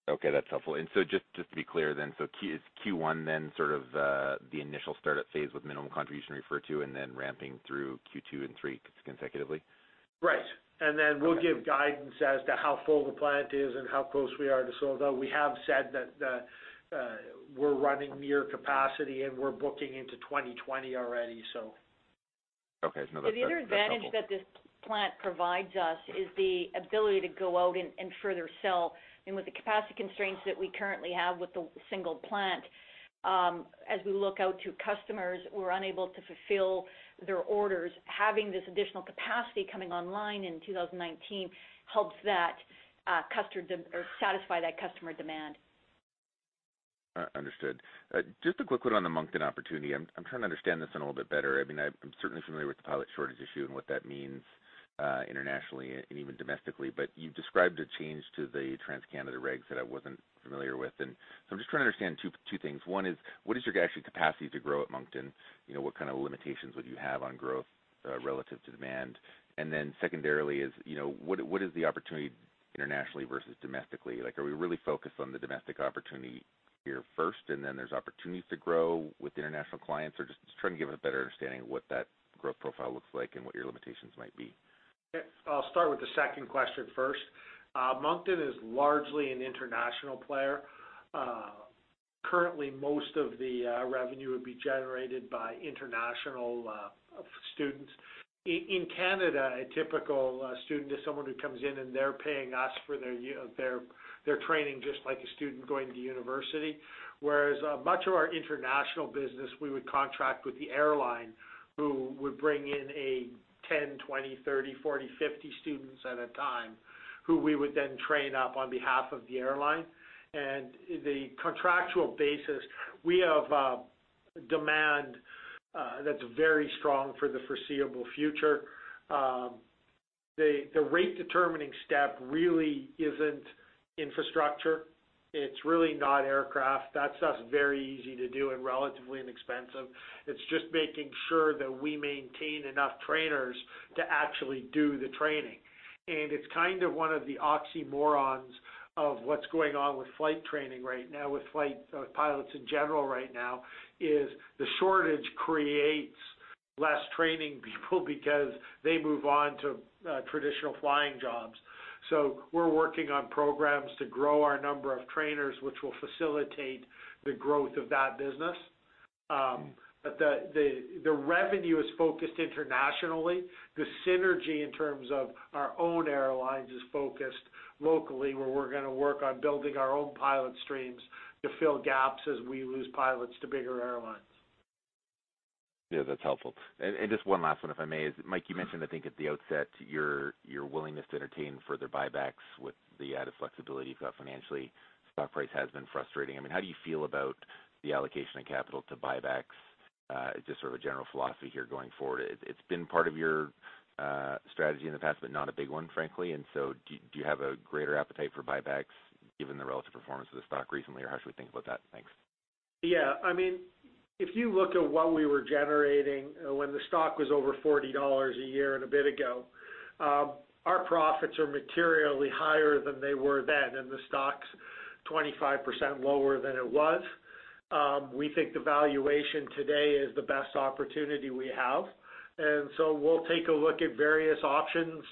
Okay, that is helpful. Is Q1 then sort of the initial startup phase with minimal contribution referred to and then ramping through Q2 and three consecutively? Right. Then we'll give guidance as to how full the plant is and how close we are to sold out. We have said that we're running near capacity, and we're booking into 2020 already. Okay. No, that's helpful. The other advantage that this plant provides us is the ability to go out and further sell. With the capacity constraints that we currently have with the single plant, as we look out to customers who are unable to fulfill their orders, having this additional capacity coming online in 2019 helps satisfy that customer demand. Understood. Just a quick one on the Moncton opportunity. I'm trying to understand this a little bit better. I'm certainly familiar with the pilot shortage issue and what that means internationally and even domestically. You've described a change to the Transport Canada regs that I wasn't familiar with, so I'm just trying to understand two things. One is, what is your actual capacity to grow at Moncton? What kind of limitations would you have on growth relative to demand? Then secondarily is, what is the opportunity internationally versus domestically? Are we really focused on the domestic opportunity here first, and then there's opportunities to grow with international clients? Or just trying to give a better understanding of what that growth profile looks like and what your limitations might be. I will start with the second question first. Moncton is largely an international player. Currently, most of the revenue would be generated by international students. In Canada, a typical student is someone who comes in, and they are paying us for their training, just like a student going to university. Whereas much of our international business, we would contract with the airline who would bring in 10, 20, 30, 40, 50 students at a time, who we would then train up on behalf of the airline. The contractual basis, we have demand that is very strong for the foreseeable future. The rate-determining step really is not infrastructure. It is really not aircraft. That stuff is very easy to do and relatively inexpensive. It is just making sure that we maintain enough trainers to actually do the training. It is one of the oxymorons of what is going on with flight training right now, with flight pilots in general right now, is the shortage creates less training people because they move on to traditional flying jobs. So we are working on programs to grow our number of trainers, which will facilitate the growth of that business. But the revenue is focused internationally. The synergy in terms of our own airlines is focused locally, where we are going to work on building our own pilot streams to fill gaps as we lose pilots to bigger airlines. Yeah, that is helpful. And just one last one, if I may. Mike, you mentioned, I think, at the outset, your willingness to entertain further buybacks with the added flexibility you have got financially. Stock price has been frustrating. How do you feel about the allocation of capital to buybacks? Just a general philosophy here going forward. It has been part of your strategy in the past, but not a big one, frankly. And so do you have a greater appetite for buybacks given the relative performance of the stock recently, or how should we think about that? Thanks. Yeah. If you look at what we were generating when the stock was over 40 dollars a year and a bit ago, our profits are materially higher than they were then, and the stock is 25% lower than it was. We think the valuation today is the best opportunity we have, and so we will take a look at various options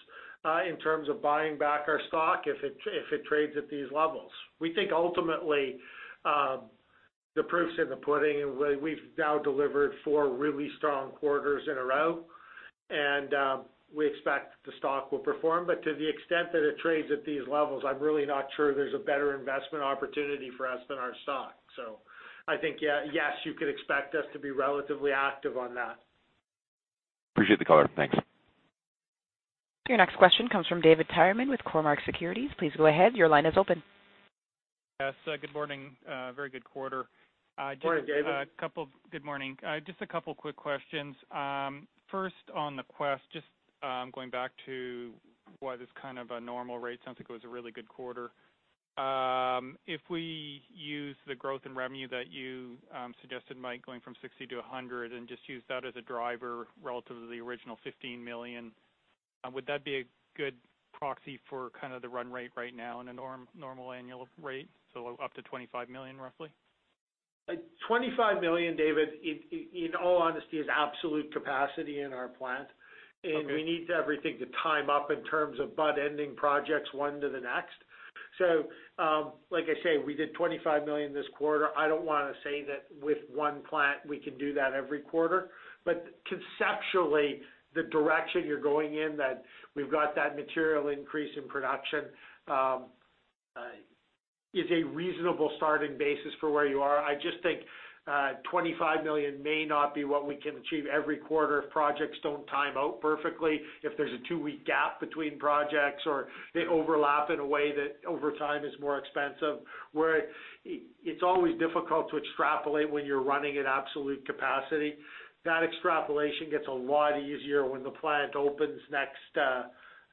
in terms of buying back our stock if it trades at these levels. We think ultimately, the proof is in the pudding. We have now delivered four really strong quarters in a row, and we expect the stock will perform. But to the extent that it trades at these levels, I am really not sure there is a better investment opportunity for us than our stock. I think, yes, you could expect us to be relatively active on that. Appreciate the color. Thanks. Your next question comes from David Tyerman with Cormark Securities. Please go ahead. Your line is open. Yes. Good morning. Very good quarter. Morning, David. Good morning. Just a couple quick questions. First on the Quest, just going back to why this kind of a normal rate, sounds like it was a really good quarter. If we use the growth in revenue that you suggested, Mike, going from 60 to 100 and just use that as a driver relative to the original 15 million, would that be a good proxy for the run rate right now on a normal annual rate, so up to 25 million, roughly? 25 million, David, in all honesty, is absolute capacity in our plant. Okay. We need everything to time up in terms of butt-ending projects, one to the next. Like I say, we did 25 million this quarter. I don't want to say that with one plant, we can do that every quarter. Conceptually, the direction you're going in, that we've got that material increase in production is a reasonable starting basis for where you are. I just think 25 million may not be what we can achieve every quarter if projects don't time out perfectly, if there's a two-week gap between projects, or they overlap in a way that over time is more expensive. Where it's always difficult to extrapolate when you're running at absolute capacity. That extrapolation gets a lot easier when the plant opens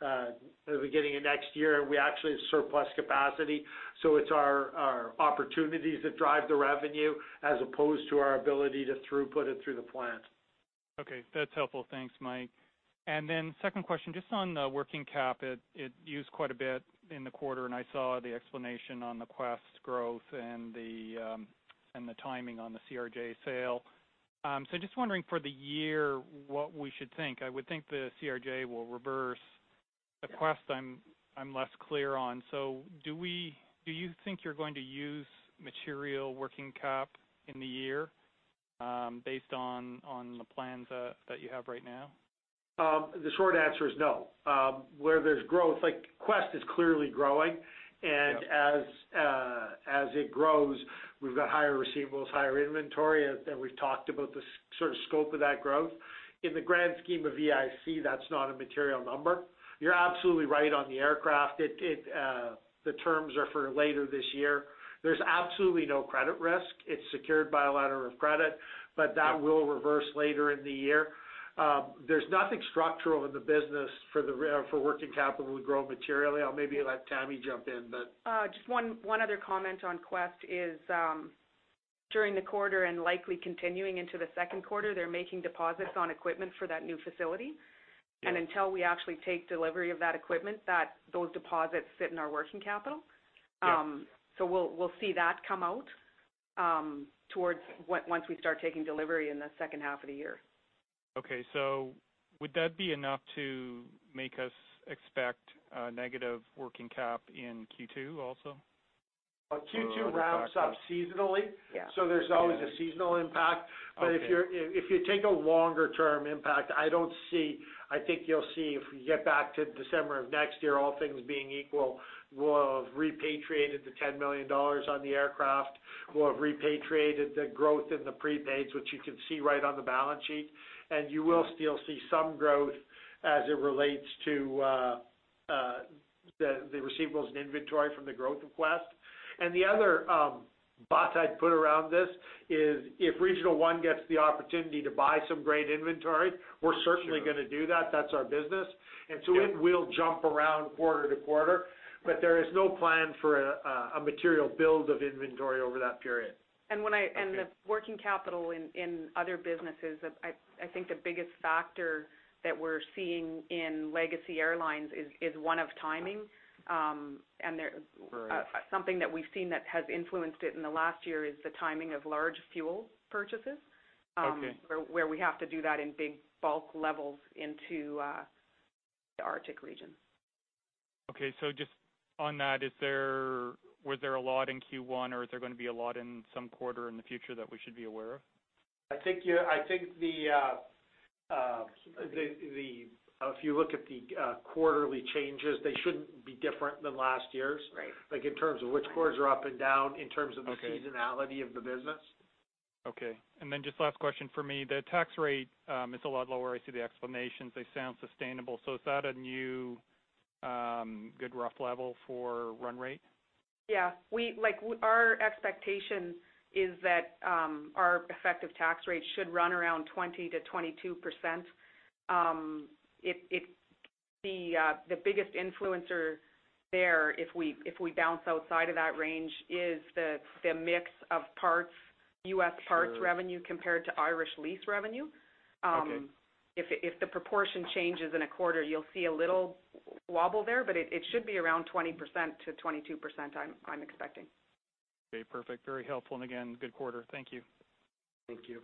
at the beginning of next year, and we actually have surplus capacity. It's our opportunities that drive the revenue as opposed to our ability to throughput it through the plant. Okay. That's helpful. Thanks, Mike. Second question, just on the working cap. It used quite a bit in the quarter, and I saw the explanation on the Quest growth and the timing on the CRJ sale. Just wondering for the year what we should think. I would think the CRJ will reverse. The Quest I'm less clear on. Do you think you're going to use material working cap in the year based on the plans that you have right now? The short answer is no. Where there's growth, like Quest is clearly growing. Yeah. As it grows, we've got higher receivables, higher inventory, and we've talked about the sort of scope of that growth. In the grand scheme of EIC, that's not a material number. You're absolutely right on the aircraft. The terms are for later this year. There's absolutely no credit risk. It's secured by a letter of credit, that will reverse later in the year. There's nothing structural in the business for working capital to grow materially. I'll maybe let Tammy jump in, but Just one other comment on Quest is, during the quarter and likely continuing into the second quarter, they're making deposits on equipment for that new facility. Yeah. Until we actually take delivery of that equipment, those deposits sit in our working capital. Yeah. We'll see that come out towards once we start taking delivery in the second half of the year. Okay. Would that be enough to make us expect a negative working cap in Q2 also? Well, Q2 ramps up seasonally. Yeah There's always a seasonal impact. Okay. If you take a longer term impact, I think you'll see if we get back to December of next year, all things being equal, we'll have repatriated the 10 million dollars on the aircraft. We'll have repatriated the growth in the prepaids, which you can see right on the balance sheet. You will still see some growth as it relates to the receivables and inventory from the growth of Quest. The other but I'd put around this is if Regional One gets the opportunity to buy some great inventory. Sure We're certainly going to do that. That's our business. Yeah. It will jump around quarter to quarter, but there is no plan for a material build of inventory over that period. Okay. The working capital in other businesses, I think the biggest factor that we're seeing in Legacy Airlines is one of timing. Right. Something that we've seen that has influenced it in the last year is the timing of large fuel purchases. Okay where we have to do that in big bulk levels into the Arctic region. Okay. Just on that, was there a lot in Q1 or is there going to be a lot in some quarter in the future that we should be aware of? If you look at the quarterly changes, they shouldn't be different than last year's. Right. Like in terms of which quarters are up and down in terms of the seasonality of the business. Okay. Just last question for me, the tax rate is a lot lower. I see the explanations. They sound sustainable. Is that a new good rough level for run rate? Yeah. Our expectation is that our effective tax rate should run around 20%-22%. The biggest influencer there, if we bounce outside of that range, is the mix of U.S. parts revenue compared to Irish lease revenue. Okay. If the proportion changes in a quarter, you'll see a little wobble there, but it should be around 20%-22%, I'm expecting. Okay, perfect. Very helpful. Again, good quarter. Thank you. Thank you.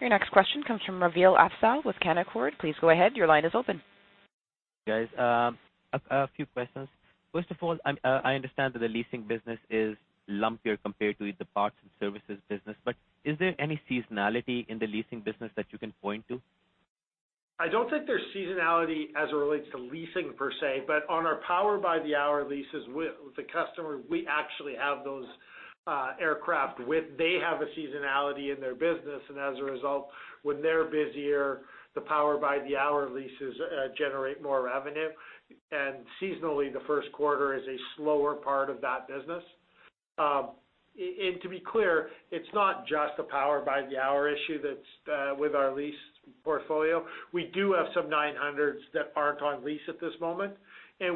Your next question comes from Raveel Afzaal with Canaccord. Please go ahead. Your line is open. Guys, a few questions. First of all, I understand that the leasing business is lumpier compared to the parts and services business. Is there any seasonality in the leasing business that you can point to? I don't think there's seasonality as it relates to leasing per se, but on our power by the hour leases with the customer, we actually have those aircraft with They have a seasonality in their business, and as a result, when they're busier, the power by the hour leases generate more revenue. Seasonally, the first quarter is a slower part of that business. To be clear, it's not just a power by the hour issue that's with our lease portfolio. We do have some 900s that aren't on lease at this moment, and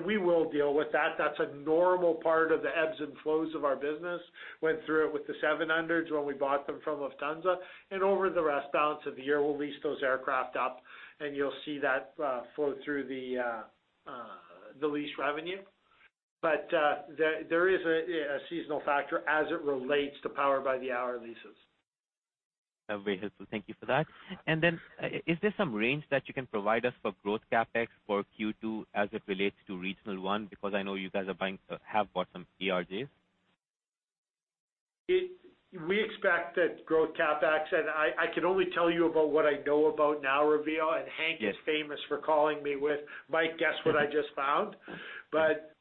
we will deal with that. That's a normal part of the ebbs and flows of our business. Went through it with the 700s when we bought them from Lufthansa. Over the rest balance of the year, we'll lease those aircraft up, and you'll see that flow through the lease revenue. There is a seasonal factor as it relates to power by the hour leases. Very helpful. Thank you for that. Then is there some range that you can provide us for growth CapEx for Q2 as it relates to Regional One? Because I know you guys have bought some CRJs. We expect that growth CapEx, and I can only tell you about what I know about now, Raveel, and Hank is famous for calling me with, "Mike, guess what I just found?"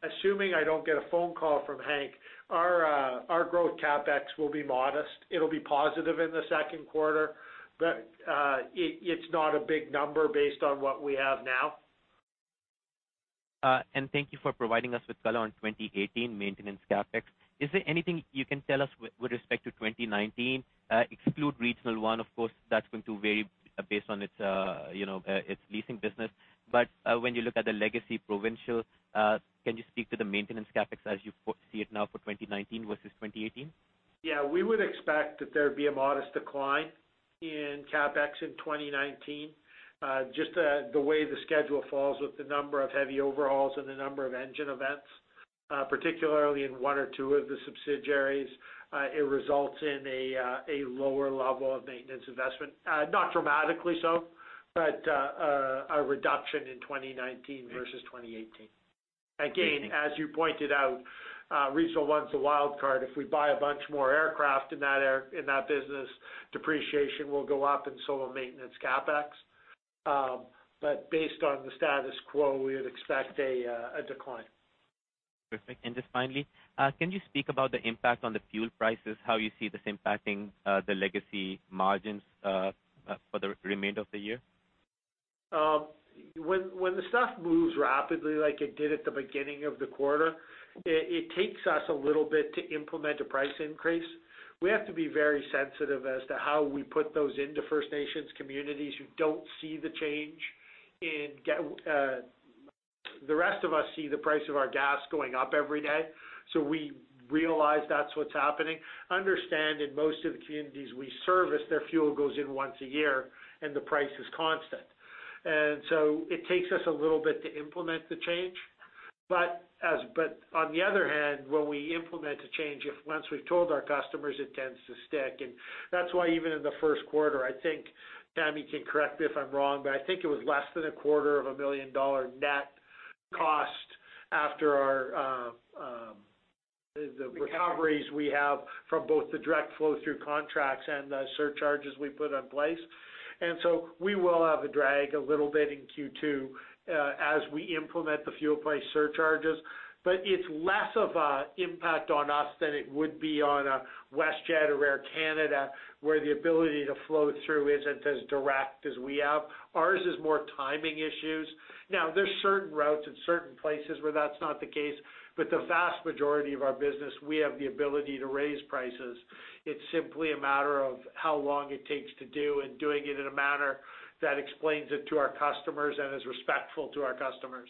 Assuming I don't get a phone call from Hank, our growth CapEx will be modest. It'll be positive in the second quarter, but it's not a big number based on what we have now. Thank you for providing us with color on 2018 maintenance CapEx. Is there anything you can tell us with respect to 2019? Exclude Regional One, of course, that's going to vary based on its leasing business. When you look at the Legacy Provincial, can you speak to the maintenance CapEx as you see it now for 2019 versus 2018? Yeah. We would expect that there'd be a modest decline in CapEx in 2019. Just the way the schedule falls with the number of heavy overhauls and the number of engine events. Particularly in one or two of the subsidiaries, it results in a lower level of maintenance investment. Not dramatically so, but a reduction in 2019 versus 2018. Again, as you pointed out, Regional One's the wild card. If we buy a bunch more aircraft in that business, depreciation will go up and so will maintenance CapEx. Based on the status quo, we would expect a decline. Perfect. Just finally, can you speak about the impact on the fuel prices, how you see this impacting the Legacy margins for the remainder of the year? When the stuff moves rapidly like it did at the beginning of the quarter, it takes us a little bit to implement a price increase. We have to be very sensitive as to how we put those into First Nations communities who don't see the change and the rest of us see the price of our gas going up every day. We realize that's what's happening. Understand, in most of the communities we service, their fuel goes in once a year and the price is constant. It takes us a little bit to implement the change. On the other hand, when we implement a change, once we've told our customers, it tends to stick and that's why even in the first quarter, I think Tammy can correct me if I'm wrong, I think it was less than a quarter of a million dollar net cost after the recoveries we have from both the direct flow through contracts and the surcharges we put in place. We will have a drag a little bit in Q2 as we implement the fuel price surcharges, but it's less of an impact on us than it would be on a WestJet or Air Canada, where the ability to flow through isn't as direct as we have. Ours is more timing issues. There's certain routes in certain places where that's not the case, but the vast majority of our business, we have the ability to raise prices. It's simply a matter of how long it takes to do and doing it in a manner that explains it to our customers and is respectful to our customers.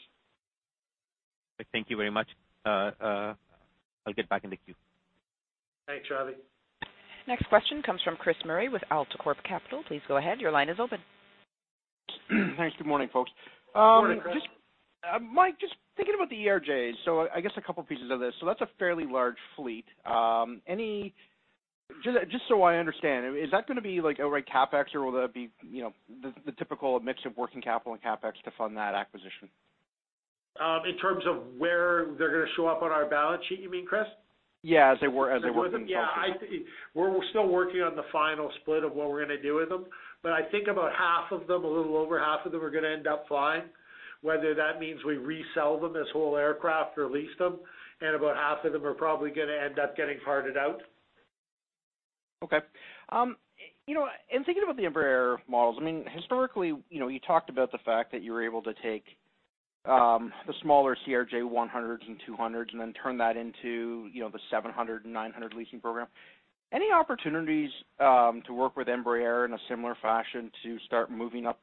Thank you very much. I'll get back in the queue. Thanks, Ravi. Next question comes from Chris Murray with AltaCorp Capital. Please go ahead. Your line is open. Thanks. Good morning, folks. Morning, Chris. Mike, just thinking about the ERJs. I guess a couple pieces of this. That's a fairly large fleet. Just so I understand, is that going to be outright CapEx or will that be the typical mix of working capital and CapEx to fund that acquisition? In terms of where they're going to show up on our balance sheet you mean, Chris? Yeah, as a working capital. We're still working on the final split of what we're going to do with them, I think about half of them, a little over half of them are going to end up flying, whether that means we resell them as whole aircraft or lease them, and about half of them are probably going to end up getting parted out. Okay. In thinking about the Embraer models, historically, you talked about the fact that you were able to take the smaller CRJ100s and CRJ200s and then turn that into the CRJ700 and CRJ900 leasing program. Any opportunities to work with Embraer in a similar fashion to start moving up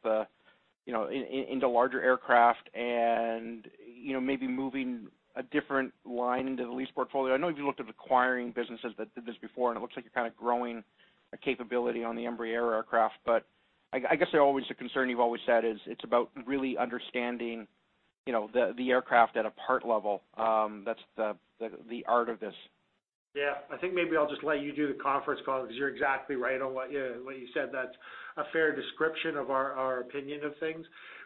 into larger aircraft and maybe moving a different line into the lease portfolio? I know you've looked at acquiring businesses that did this before, and it looks like you're kind of growing a capability on the Embraer aircraft. I guess a concern you've always said is it's about really understanding the aircraft at a part level. That's the art of this. Yeah. I think maybe I'll just let you do the conference call because you're exactly right on what you said. That's a fair description of our opinion of things.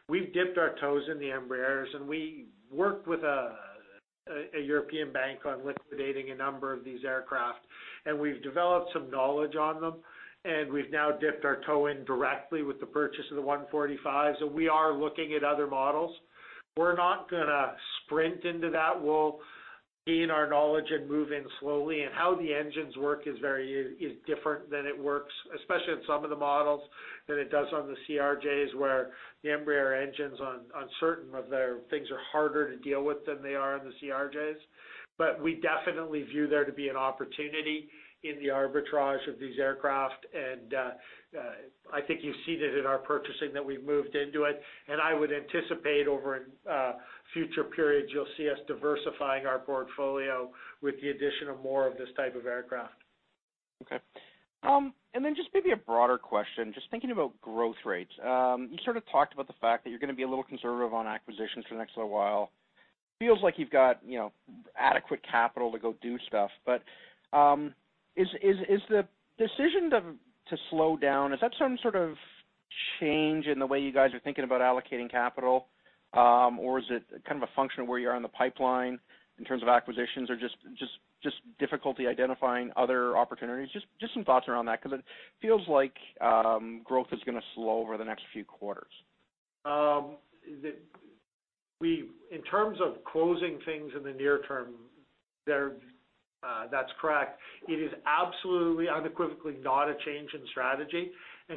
We've dipped our toes in the Embraers and we worked with a European bank on liquidating a number of these aircraft, and we've developed some knowledge on them, and we've now dipped our toe in directly with the purchase of the ERJ 145. We are looking at other models. We're not going to sprint into that. We'll gain our knowledge and move in slowly, and how the engines work is different than it works, especially on some of the models than it does on the CRJs, where the Embraer engines on certain of their things are harder to deal with than they are on the CRJs. We definitely view there to be an opportunity in the arbitrage of these aircraft. I think you've seen it in our purchasing that we've moved into it, and I would anticipate over future periods, you'll see us diversifying our portfolio with the addition of more of this type of aircraft. Okay. Then just maybe a broader question, just thinking about growth rates. You sort of talked about the fact that you're going to be a little conservative on acquisitions for the next little while. Feels like you've got adequate capital to go do stuff. Is the decision to slow down, is that some sort of change in the way you guys are thinking about allocating capital? Is it a function of where you are in the pipeline in terms of acquisitions or just difficulty identifying other opportunities? Just some thoughts around that because it feels like growth is going to slow over the next few quarters. In terms of closing things in the near term, that's correct. It is absolutely, unequivocally not a change in strategy.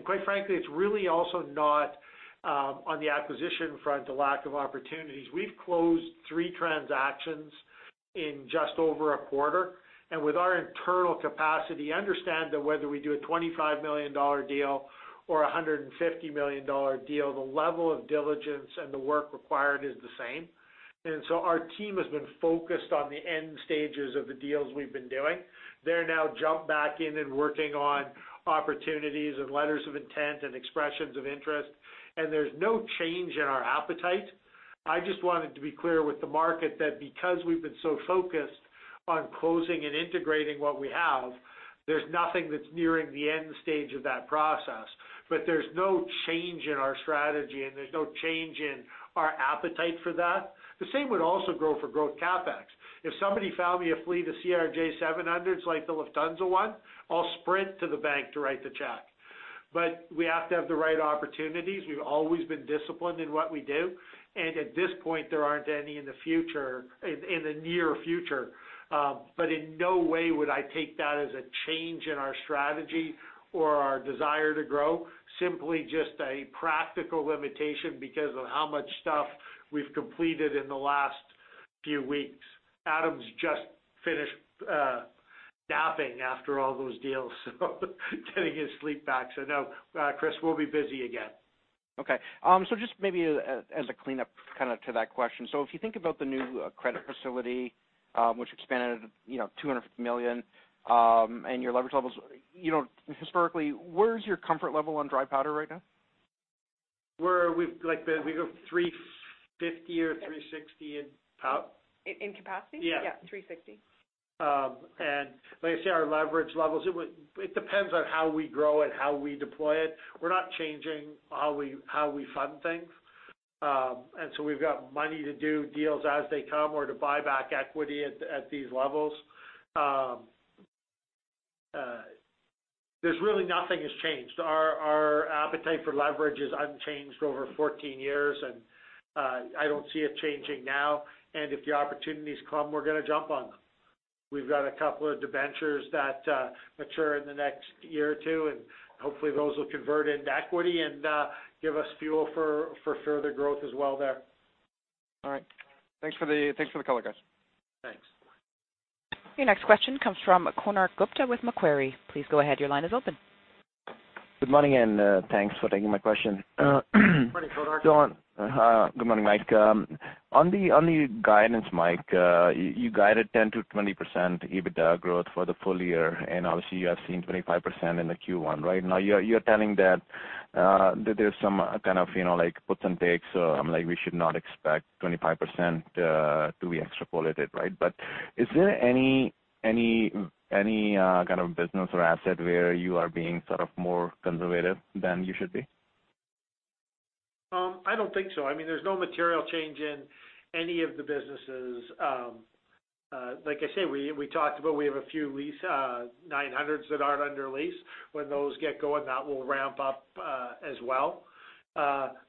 Quite frankly, it's really also not on the acquisition front, a lack of opportunities. We've closed three transactions in just over a quarter. With our internal capacity, understand that whether we do a 25 million dollar deal or 150 million dollar deal, the level of diligence and the work required is the same. Our team has been focused on the end stages of the deals we've been doing. They're now jumped back in and working on opportunities and letters of intent and expressions of interest, there's no change in our appetite I just wanted to be clear with the market that because we've been so focused on closing and integrating what we have, there's nothing that's nearing the end stage of that process, there's no change in our strategy, there's no change in our appetite for that. The same would also go for growth CapEx. If somebody found me a fleet of CRJ-700s, like the Lufthansa one, I'll sprint to the bank to write the check. We have to have the right opportunities. We've always been disciplined in what we do, at this point, there aren't any in the near future. In no way would I take that as a change in our strategy or our desire to grow, simply just a practical limitation because of how much stuff we've completed in the last few weeks. Adam's just finished napping after all those deals, getting his sleep back. No, Chris, we'll be busy again. Okay. Just maybe as a cleanup to that question. If you think about the new credit facility, which expanded to 250 million, and your leverage levels, historically, where is your comfort level on dry powder right now? Where are we? We go 350 or 360. In capacity? Yeah. Yeah, 360. Like I say, our leverage levels, it depends on how we grow it, how we deploy it. We're not changing how we fund things. We've got money to do deals as they come or to buy back equity at these levels. There's really nothing has changed. Our appetite for leverage is unchanged over 14 years, and I don't see it changing now. If the opportunities come, we're going to jump on them. We've got a couple of debentures that mature in the next year or two, and hopefully those will convert into equity and give us fuel for further growth as well there. All right. Thanks for the color, guys. Thanks. Your next question comes from Konark Gupta with Macquarie. Please go ahead. Your line is open. Good morning. Thanks for taking my question. Morning, Konark. Good morning, Mike. On the guidance, Mike, you guided 10%-20% EBITDA growth for the full year, and obviously you have seen 25% in the Q1. Right now, you're telling that there's some kind of puts and takes, like we should not expect 25% to be extrapolated, right? Is there any kind of business or asset where you are being more conservative than you should be? I don't think so. There's no material change in any of the businesses. Like I say, we talked about we have a few lease 900s that aren't under lease. When those get going, that will ramp up as well.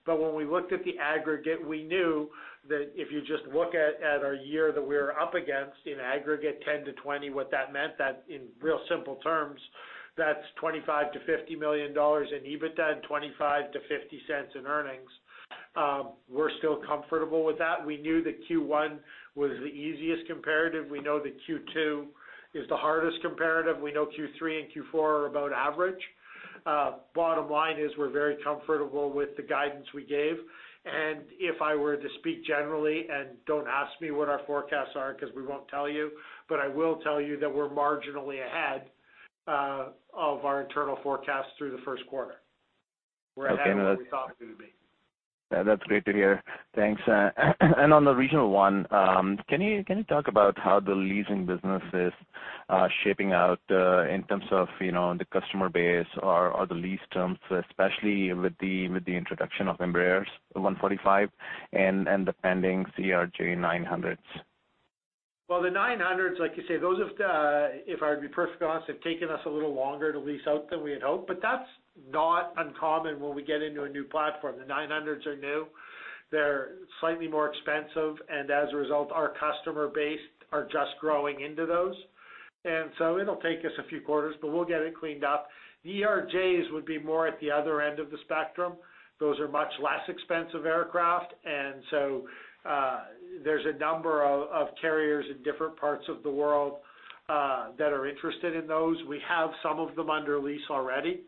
When we looked at the aggregate, we knew that if you just look at our year that we're up against in aggregate 10-20, what that meant that in real simple terms, that's 25 million-50 million dollars in EBITDA and 0.25-0.50 in earnings. We're still comfortable with that. We knew that Q1 was the easiest comparative. We know that Q2 is the hardest comparative. We know Q3 and Q4 are about average. Bottom line is we're very comfortable with the guidance we gave. If I were to speak generally, don't ask me what our forecasts are because we won't tell you. I will tell you that we're marginally ahead of our internal forecasts through the first quarter. We're ahead than we thought we'd be. That's great to hear. Thanks. On the Regional One, can you talk about how the leasing business is shaping out in terms of the customer base or the lease terms, especially with the introduction of Embraer ERJ-145 and the pending CRJ900s? The 900s, like you say, if I were to be perfectly honest, have taken us a little longer to lease out than we had hoped, but that's not uncommon when we get into a new platform. The 900s are new. They're slightly more expensive, and as a result, our customer base are just growing into those. It'll take us a few quarters, but we'll get it cleaned up. The ERJs would be more at the other end of the spectrum. Those are much less expensive aircraft, and there's a number of carriers in different parts of the world that are interested in those. We have some of them under lease already.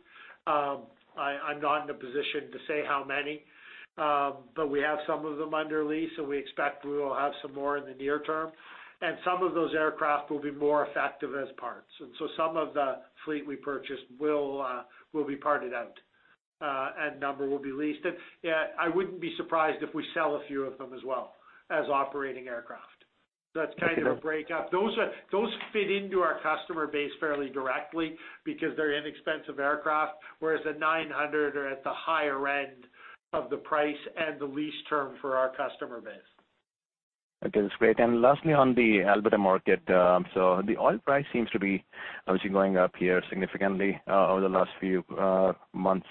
I'm not in a position to say how many. We have some of them under lease, so we expect we will have some more in the near term. Some of those aircraft will be more effective as parts. Some of the fleet we purchased will be parted out, and a number will be leased. I wouldn't be surprised if we sell a few of them as well as operating aircraft. That's kind of the breakup. Those fit into our customer base fairly directly because they're inexpensive aircraft, whereas the 900 are at the higher end of the price and the lease term for our customer base. Okay, that's great. Lastly, on the Alberta market, the oil price seems to be obviously going up here significantly over the last few months.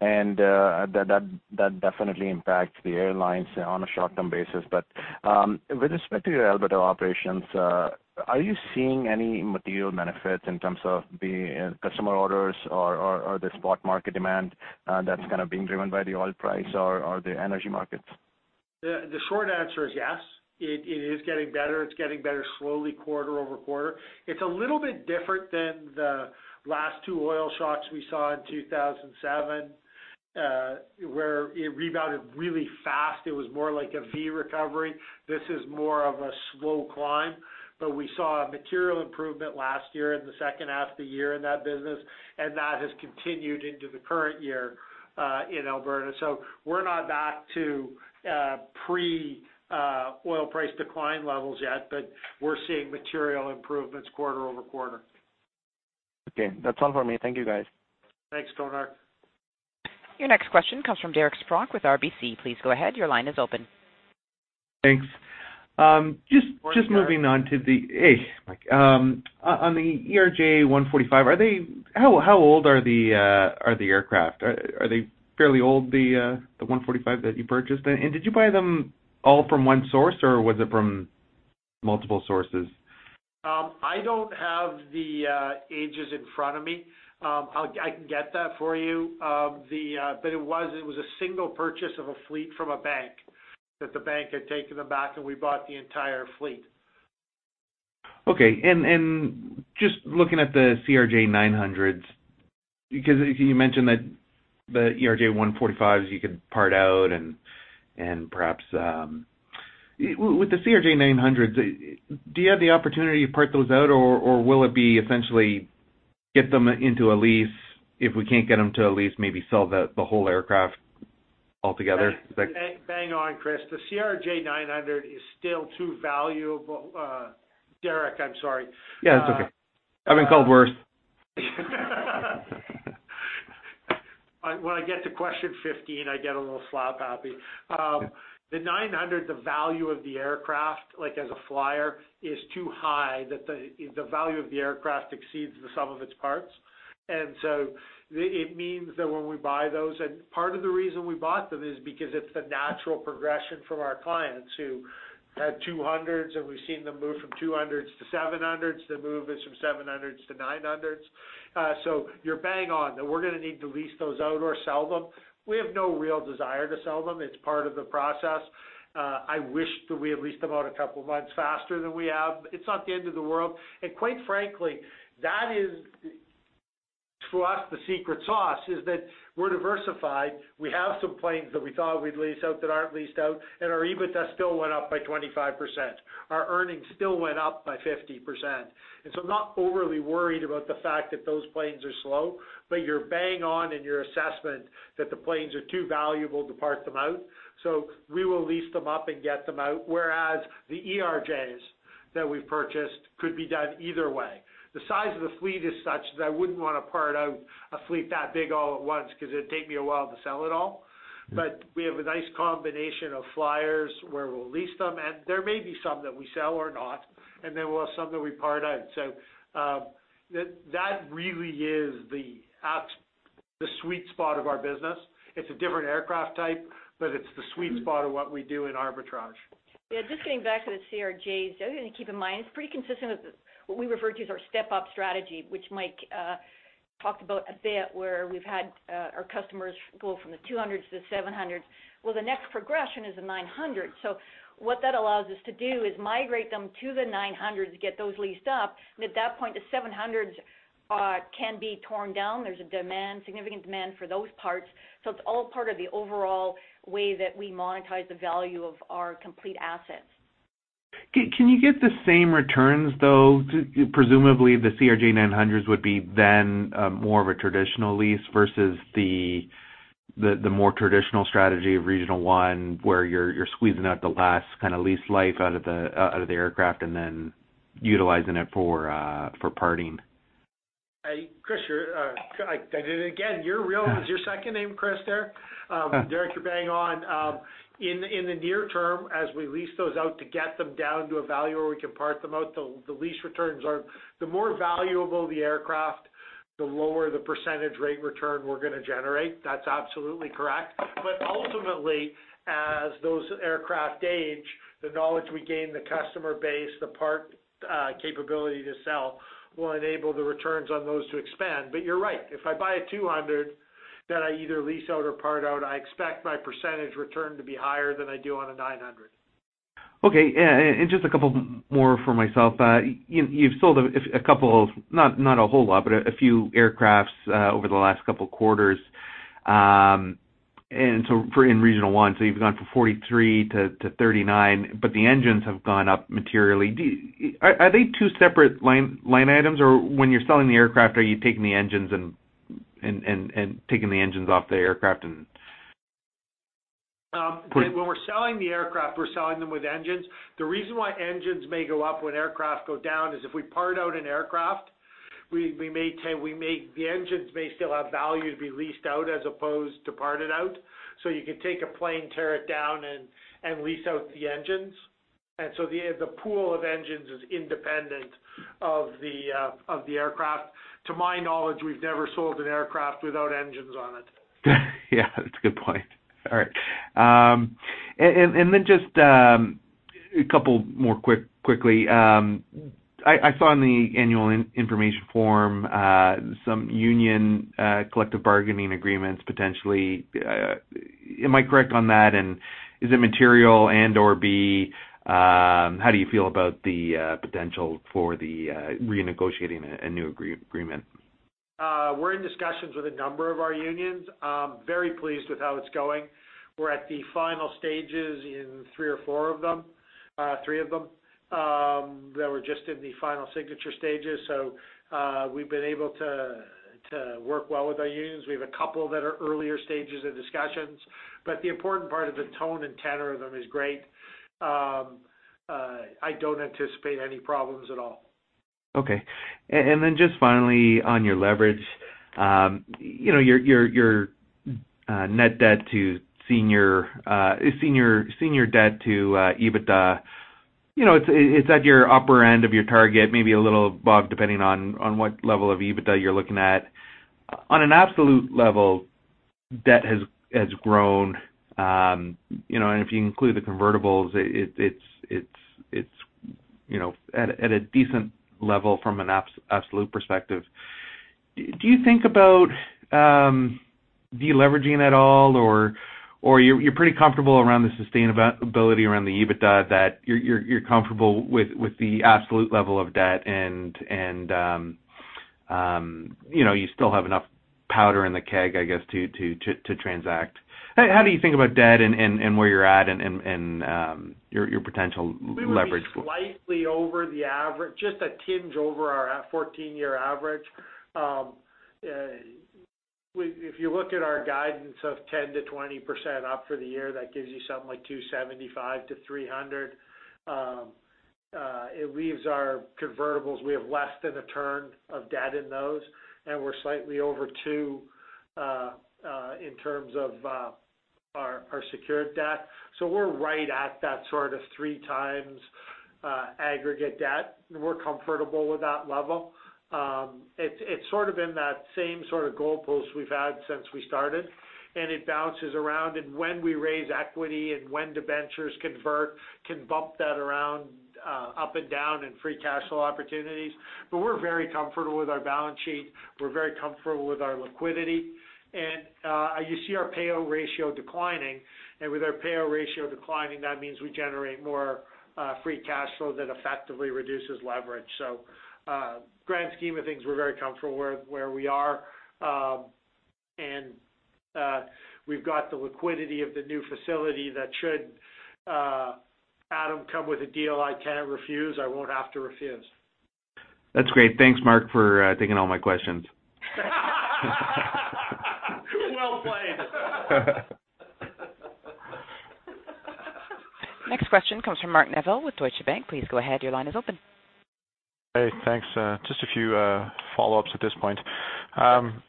That definitely impacts the airlines on a short-term basis. With respect to your Alberta operations, are you seeing any material benefits in terms of the customer orders or the spot market demand that's being driven by the oil price or the energy markets? The short answer is yes. It is getting better. It's getting better slowly quarter-over-quarter. It's a little bit different than the last two oil shocks we saw in 2007, where it rebounded really fast. It was more like a V recovery. This is more of a slow climb, but we saw a material improvement last year in the second half of the year in that business, and that has continued into the current year. In Alberta. We're not back to pre-oil price decline levels yet, but we're seeing material improvements quarter-over-quarter. Okay. That's all for me. Thank you, guys. Thanks, Konark. Your next question comes from Derek Spronck with RBC. Please go ahead. Your line is open. Thanks. On the ERJ-145, how old are the aircraft? Are they fairly old, the 145 that you purchased? Did you buy them all from one source, or was it from multiple sources? I don't have the ages in front of me. I can get that for you. It was a single purchase of a fleet from a bank, that the bank had taken them back, and we bought the entire fleet. Okay. Just looking at the CRJ900s, because you mentioned that the ERJ-145s you could part out. With the CRJ900s, do you have the opportunity to part those out, or will it be essentially get them into a lease? If we can't get them to a lease, maybe sell the whole aircraft altogether? Bang on, Chris. The CRJ900 is still too valuable. Derek, I'm sorry. Yeah, it's okay. I've been called worse. When I get to question 15, I get a little slap-happy. The 900, the value of the aircraft, like as a flyer, is too high that the value of the aircraft exceeds the sum of its parts. It means that when we buy those, and part of the reason we bought them is because it's the natural progression from our clients who had 200s, and we've seen them move from 200s to 700s, then move from 700s to 900s. You're bang on, that we're going to need to lease those out or sell them. We have no real desire to sell them. It's part of the process. I wish that we had leased them out a couple of months faster than we have. It's not the end of the world. Quite frankly, that is, for us, the secret sauce, is that we're diversified. We have some planes that we thought we'd lease out that aren't leased out, and our EBITDA still went up by 25%. Our earnings still went up by 50%. I'm not overly worried about the fact that those planes are slow, but you're bang on in your assessment that the planes are too valuable to part them out. We will lease them up and get them out, whereas the ERJs that we've purchased could be done either way. The size of the fleet is such that I wouldn't want to part out a fleet that big all at once because it'd take me a while to sell it all. We have a nice combination of flyers where we'll lease them, and there may be some that we sell or not, and there will some that we part out. That really is the sweet spot of our business. It's a different aircraft type, but it's the sweet spot of what we do in arbitrage. Just getting back to the CRJs, you have to keep in mind, it's pretty consistent with what we refer to as our step-up strategy, which Mike talked about a bit, where we've had our customers go from the 200s to the 700s. The next progression is the 900. What that allows us to do is migrate them to the 900s to get those leased up. At that point, the 700s can be torn down. There's a significant demand for those parts. It's all part of the overall way that we monetize the value of our complete assets. Can you get the same returns, though? Presumably, the CRJ-900s would be more of a traditional lease versus the more traditional strategy of Regional One, where you're squeezing out the last kind of lease life out of the aircraft and utilizing it for parting. Chris, I did it again. Is your second name Chris there? Derek, you're bang on. In the near term, as we lease those out to get them down to a value where we can part them out, the lease returns are the more valuable the aircraft, the lower the % rate return we're going to generate. That's absolutely correct. Ultimately, as those aircraft age, the knowledge we gain, the customer base, the part capability to sell will enable the returns on those to expand. You're right. If I buy a 200 that I either lease out or part out, I expect my % return to be higher than I do on a 900. Okay. Just a couple more for myself. You've sold a couple of, not a whole lot, but a few aircraft over the last couple of quarters, in Regional One. You've gone from 43 to 39, the engines have gone up materially. Are they two separate line items, or when you're selling the aircraft, are you taking the engines off the aircraft and When we're selling the aircraft, we're selling them with engines. The reason why engines may go up when aircraft go down is if we part out an aircraft, the engines may still have value to be leased out as opposed to parted out. You could take a plane, tear it down, and lease out the engines. The pool of engines is independent of the aircraft. To my knowledge, we've never sold an aircraft without engines on it. Yeah, that's a good point. All right. Just a couple more quickly. I saw in the annual information form some union collective bargaining agreements, potentially. Am I correct on that, and is it material and/or B, how do you feel about the potential for the renegotiating a new agreement? We're in discussions with a number of our unions. Very pleased with how it's going. We're at the final stages in three or four of them. Three of them that were just in the final signature stages. We've been able to work well with our unions. We have a couple that are earlier stages of discussions, but the important part of the tone and tenor of them is great. I don't anticipate any problems at all. Okay. Just finally on your leverage, your net debt to senior debt to EBITDA, it's at your upper end of your target, maybe a little above, depending on what level of EBITDA you're looking at. On an absolute level, debt has grown, and if you include the convertibles, it's at a decent level from an absolute perspective. Do you think about de-leveraging at all? You're pretty comfortable around the sustainability around the EBITDA that you're comfortable with the absolute level of debt and you still have enough powder in the keg, I guess, to transact. How do you think about debt and where you're at and your potential leverage? We were slightly over the average, just a tinge over our 14-year average. If you look at our guidance of 10%-20% up for the year, that gives you something like 275 to 300. It leaves our convertibles, we have less than a turn of debt in those, and we're slightly over two, in terms of our secured debt. We're right at that sort of three times aggregate debt, and we're comfortable with that level. It's sort of in that same sort of goalpost we've had since we started, and it bounces around. When we raise equity and when debentures convert, can bump that around, up and down in free cash flow opportunities. We're very comfortable with our balance sheet. We're very comfortable with our liquidity, and you see our payout ratio declining. With our payout ratio declining, that means we generate more free cash flow that effectively reduces leverage. Grand scheme of things, we're very comfortable where we are. We've got the liquidity of the new facility that should, Adam, come with a deal I can't refuse, I won't have to refuse. That's great. Thanks, Mike, for taking all my questions. Well played. Next question comes from Mark Neville with Deutsche Bank. Please go ahead. Your line is open. Hey, thanks. Just a few follow-ups at this point. Just on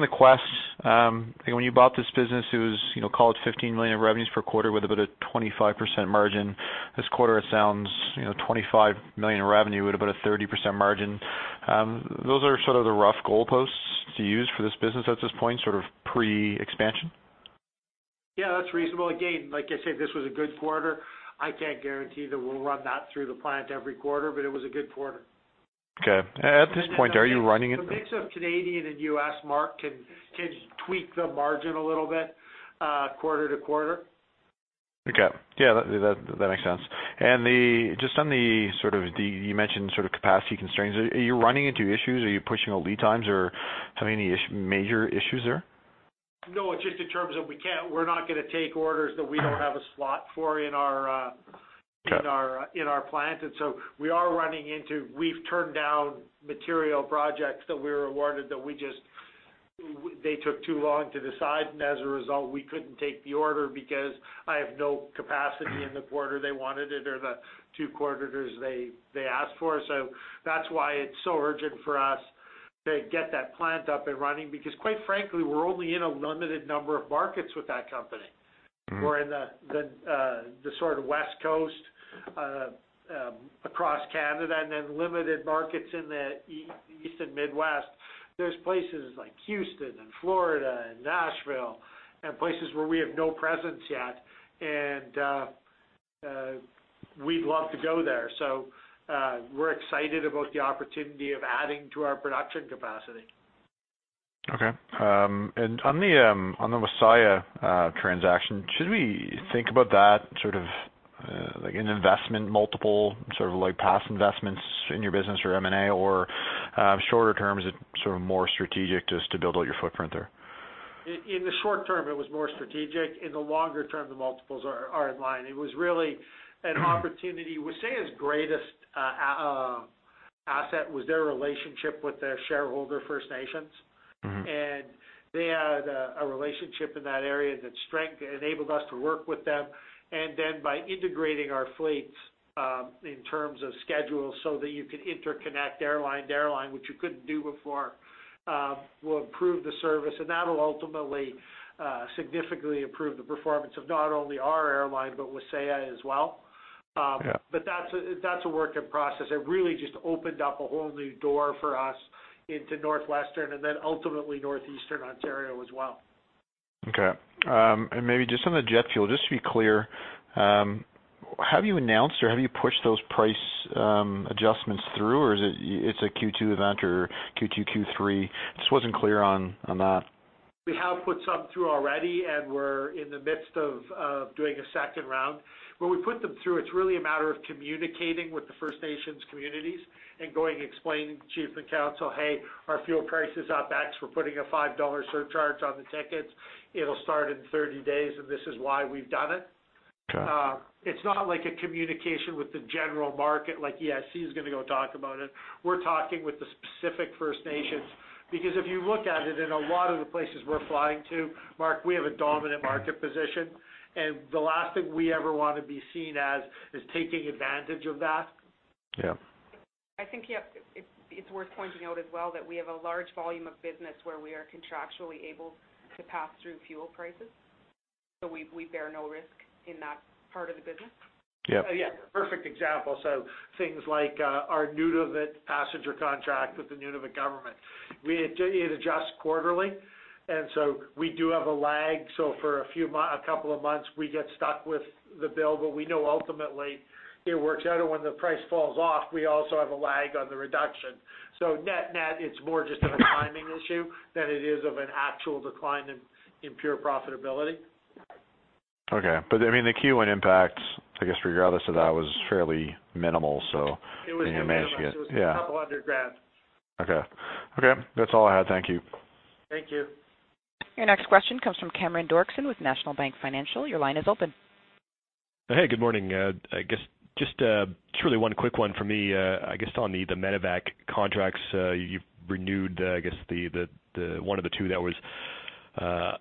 the Quest, I think when you bought this business, it was call it 15 million of revenues per quarter with about a 25% margin. This quarter it sounds, 25 million in revenue at about a 30% margin. Those are sort of the rough goalposts to use for this business at this point, sort of pre-expansion? Yeah, that's reasonable. Again, like I said, this was a good quarter. I can't guarantee that we'll run that through the plant every quarter, but it was a good quarter. Okay. At this point, are you running- The mix of Canadian and U.S., Mark, can tweak the margin a little bit, quarter to quarter. Okay. Yeah, that makes sense. Just on the, you mentioned capacity constraints. Are you running into issues? Are you pushing lead times or having any major issues there? No, just in terms of we're not going to take orders that we don't have a slot for. Okay plant. We are running into, we've turned down material projects that we were awarded that they took too long to decide, and as a result, we couldn't take the order because I have no capacity in the quarter they wanted it or the two quarters they asked for. That's why it's so urgent for us to get that plant up and running, because quite frankly, we're only in a limited number of markets with that company. We're in the sort of West Coast, across Canada, and then limited markets in the East and Midwest. There's places like Houston and Florida and Nashville and places where we have no presence yet, and we'd love to go there. We're excited about the opportunity of adding to our production capacity. Okay. On the Wasaya transaction, should we think about that sort of like an investment multiple, sort of like past investments in your business or M&A, or shorter term, is it sort of more strategic just to build out your footprint there? In the short term, it was more strategic. In the longer term, the multiples are in line. It was really an opportunity. Wasaya's greatest asset was their relationship with their shareholder First Nations. They had a relationship in that area, that strength enabled us to work with them. Then by integrating our fleets, in terms of schedules so that you could interconnect airline to airline, which you couldn't do before, will improve the service. That'll ultimately, significantly improve the performance of not only our airline but Wasaya as well. Yeah. That's a work in process. It really just opened up a whole new door for us into Northwestern and then ultimately Northeastern Ontario as well. Okay. Maybe just on the jet fuel, just to be clear, have you announced or have you pushed those price adjustments through or it's a Q2 event or Q2, Q3? Just wasn't clear on that. We have put some through already, and we're in the midst of doing a second round. When we put them through, it's really a matter of communicating with the First Nations communities and going explaining to chief and council, "Hey, our fuel price is up X. We're putting a 5 dollar surcharge on the tickets. It'll start in 30 days, and this is why we've done it." It's not like a communication with the general market, like EIC is going to go talk about it. We're talking with the specific First Nations because if you look at it, in a lot of the places we're flying to, Mark, we have a dominant market position. The last thing we ever want to be seen as is taking advantage of that. Yeah. I think, yeah, it's worth pointing out as well that we have a large volume of business where we are contractually able to pass through fuel prices, so we bear no risk in that part of the business. Yeah. Yeah. Perfect example, so things like our Nunavut passenger contract with the Nunavut government. It adjusts quarterly, and so we do have a lag. For a couple of months, we get stuck with the bill, but we know ultimately it works out. When the price falls off, we also have a lag on the reduction. Net-net, it's more just of a timing issue than it is of an actual decline in pure profitability. Okay. The Q1 impact, I guess regardless of that, was fairly minimal. It was minimal. You managed to get yeah. It was CAD couple of hundred grand. Okay. That's all I had. Thank you. Thank you. Your next question comes from Cameron Doerksen with National Bank Financial. Your line is open. Hey, good morning. I guess just truly one quick one for me. I guess on the medevac contracts you've renewed, I guess one of the two that was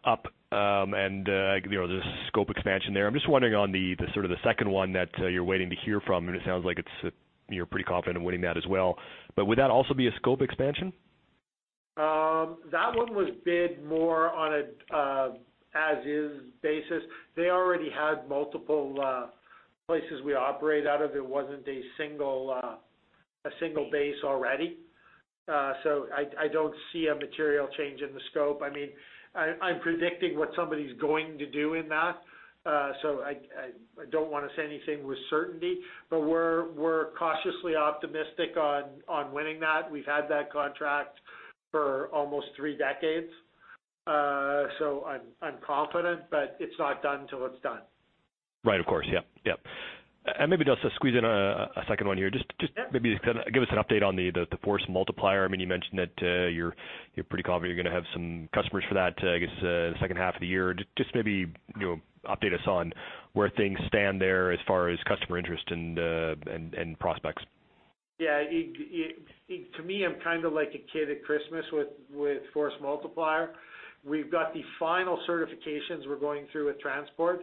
up, and there's scope expansion there. I'm just wondering on the second one that you're waiting to hear from, and it sounds like you're pretty confident in winning that as well. Would that also be a scope expansion? That one was bid more on an as-is basis. They already had multiple places we operate out of. It wasn't a single base already. I don't see a material change in the scope. I'm predicting what somebody's going to do in that. I don't want to say anything with certainty, but we're cautiously optimistic on winning that. We've had that contract for almost three decades. I'm confident, but it's not done till it's done. Right. Of course. Yep. Maybe just to squeeze in a second one here. Yeah. Just maybe give us an update on the Force Multiplier. You mentioned that you're pretty confident you're going to have some customers for that, I guess, in the second half of the year. Just maybe update us on where things stand there as far as customer interest and prospects. Yeah. To me, I'm like a kid at Christmas with Force Multiplier. We've got the final certifications we're going through with Transport.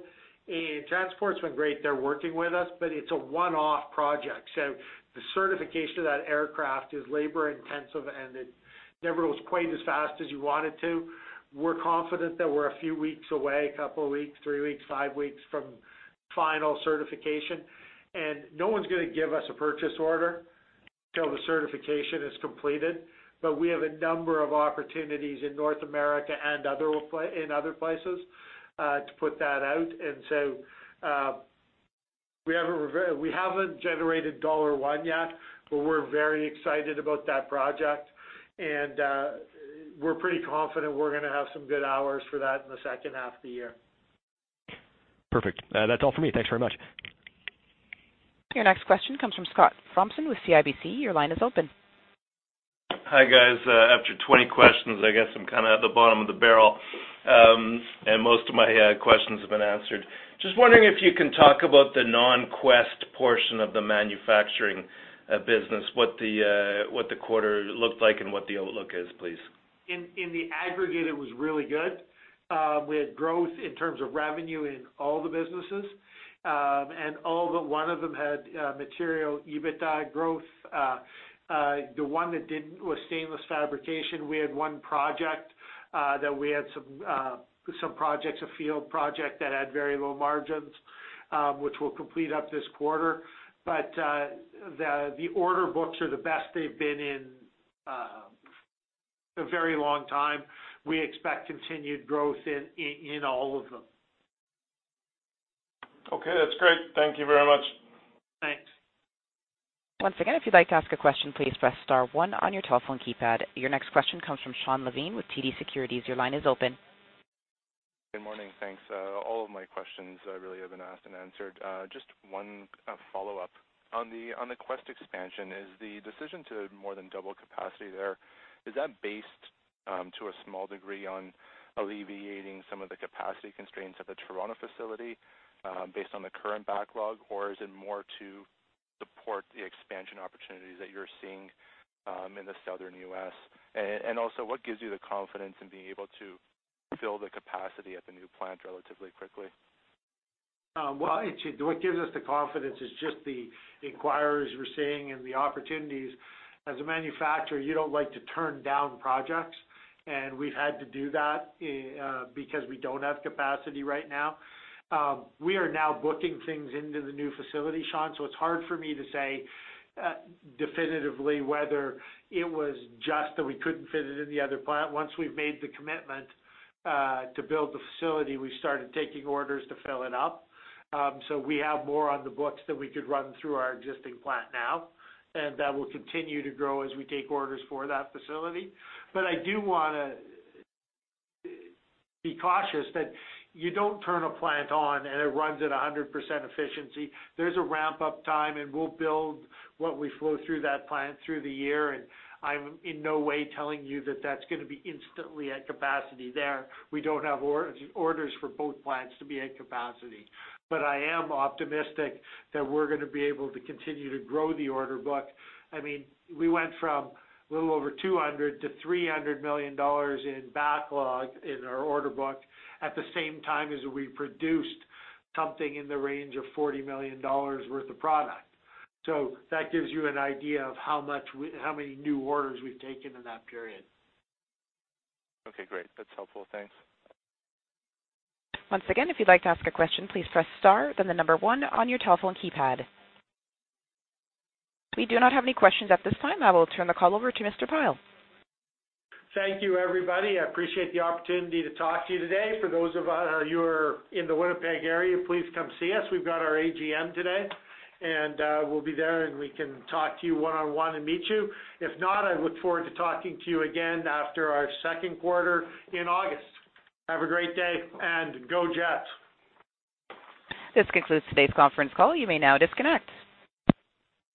Transport's been great. They're working with us, but it's a one-off project. The certification of that aircraft is labor-intensive, and it never was quite as fast as you want it to. We're confident that we're a few weeks away, a couple of weeks, three weeks, five weeks from final certification. No one's going to give us a purchase order till the certification is completed. We have a number of opportunities in North America and in other places to put that out. We haven't generated dollar one yet, but we're very excited about that project, and we're pretty confident we're going to have some good hours for that in the second half of the year. Perfect. That's all for me. Thanks very much. Your next question comes from Scott Thompson with CIBC. Your line is open. Hi, guys. After 20 questions, I guess I'm at the bottom of the barrel, and most of my questions have been answered. Just wondering if you can talk about the non-Quest portion of the manufacturing business, what the quarter looked like and what the outlook is, please. In the aggregate, it was really good. We had growth in terms of revenue in all the businesses. All but one of them had material EBITDA growth. The one that didn't was stainless fabrication. We had some projects, a field project that had very low margins, which we'll complete up this quarter. The order books are the best they've been in a very long time. We expect continued growth in all of them. Okay, that's great. Thank you very much. Thanks. Once again, if you'd like to ask a question, please press star one on your telephone keypad. Your next question comes from Shawn Levine with TD Securities. Your line is open. Good morning. Thanks. All of my questions really have been asked and answered. Just one follow-up. On the Quest expansion, is the decision to more than double capacity there, is that based to a small degree on alleviating some of the capacity constraints of the Toronto facility based on the current backlog, or is it more to support the expansion opportunities that you're seeing in the Southern U.S.? Also, what gives you the confidence in being able to fill the capacity at the new plant relatively quickly? What gives us the confidence is just the inquiries we're seeing and the opportunities. As a manufacturer, you don't like to turn down projects. We've had to do that because we don't have capacity right now. We are now booking things into the new facility, Shawn. It's hard for me to say definitively whether it was just that we couldn't fit it in the other plant. Once we've made the commitment to build the facility, we started taking orders to fill it up. We have more on the books than we could run through our existing plant now, and that will continue to grow as we take orders for that facility. I do want to be cautious that you don't turn a plant on and it runs at 100% efficiency. There's a ramp-up time, and we'll build what we flow through that plant through the year, and I'm in no way telling you that that's going to be instantly at capacity there. We don't have orders for both plants to be at capacity. I am optimistic that we're going to be able to continue to grow the order book. We went from a little over 200 million to 300 million dollars in backlog in our order book at the same time as we produced something in the range of 40 million dollars worth of product. That gives you an idea of how many new orders we've taken in that period. Okay, great. That's helpful. Thanks. Once again, if you'd like to ask a question, please press star then the number 1 on your telephone keypad. We do not have any questions at this time. I will turn the call over to Mr. Pyle. Thank you, everybody. I appreciate the opportunity to talk to you today. For those of you who are in the Winnipeg area, please come see us. We've got our AGM today, and we'll be there, and we can talk to you one-on-one and meet you. If not, I look forward to talking to you again after our second quarter in August. Have a great day, and go Jets. This concludes today's conference call. You may now disconnect.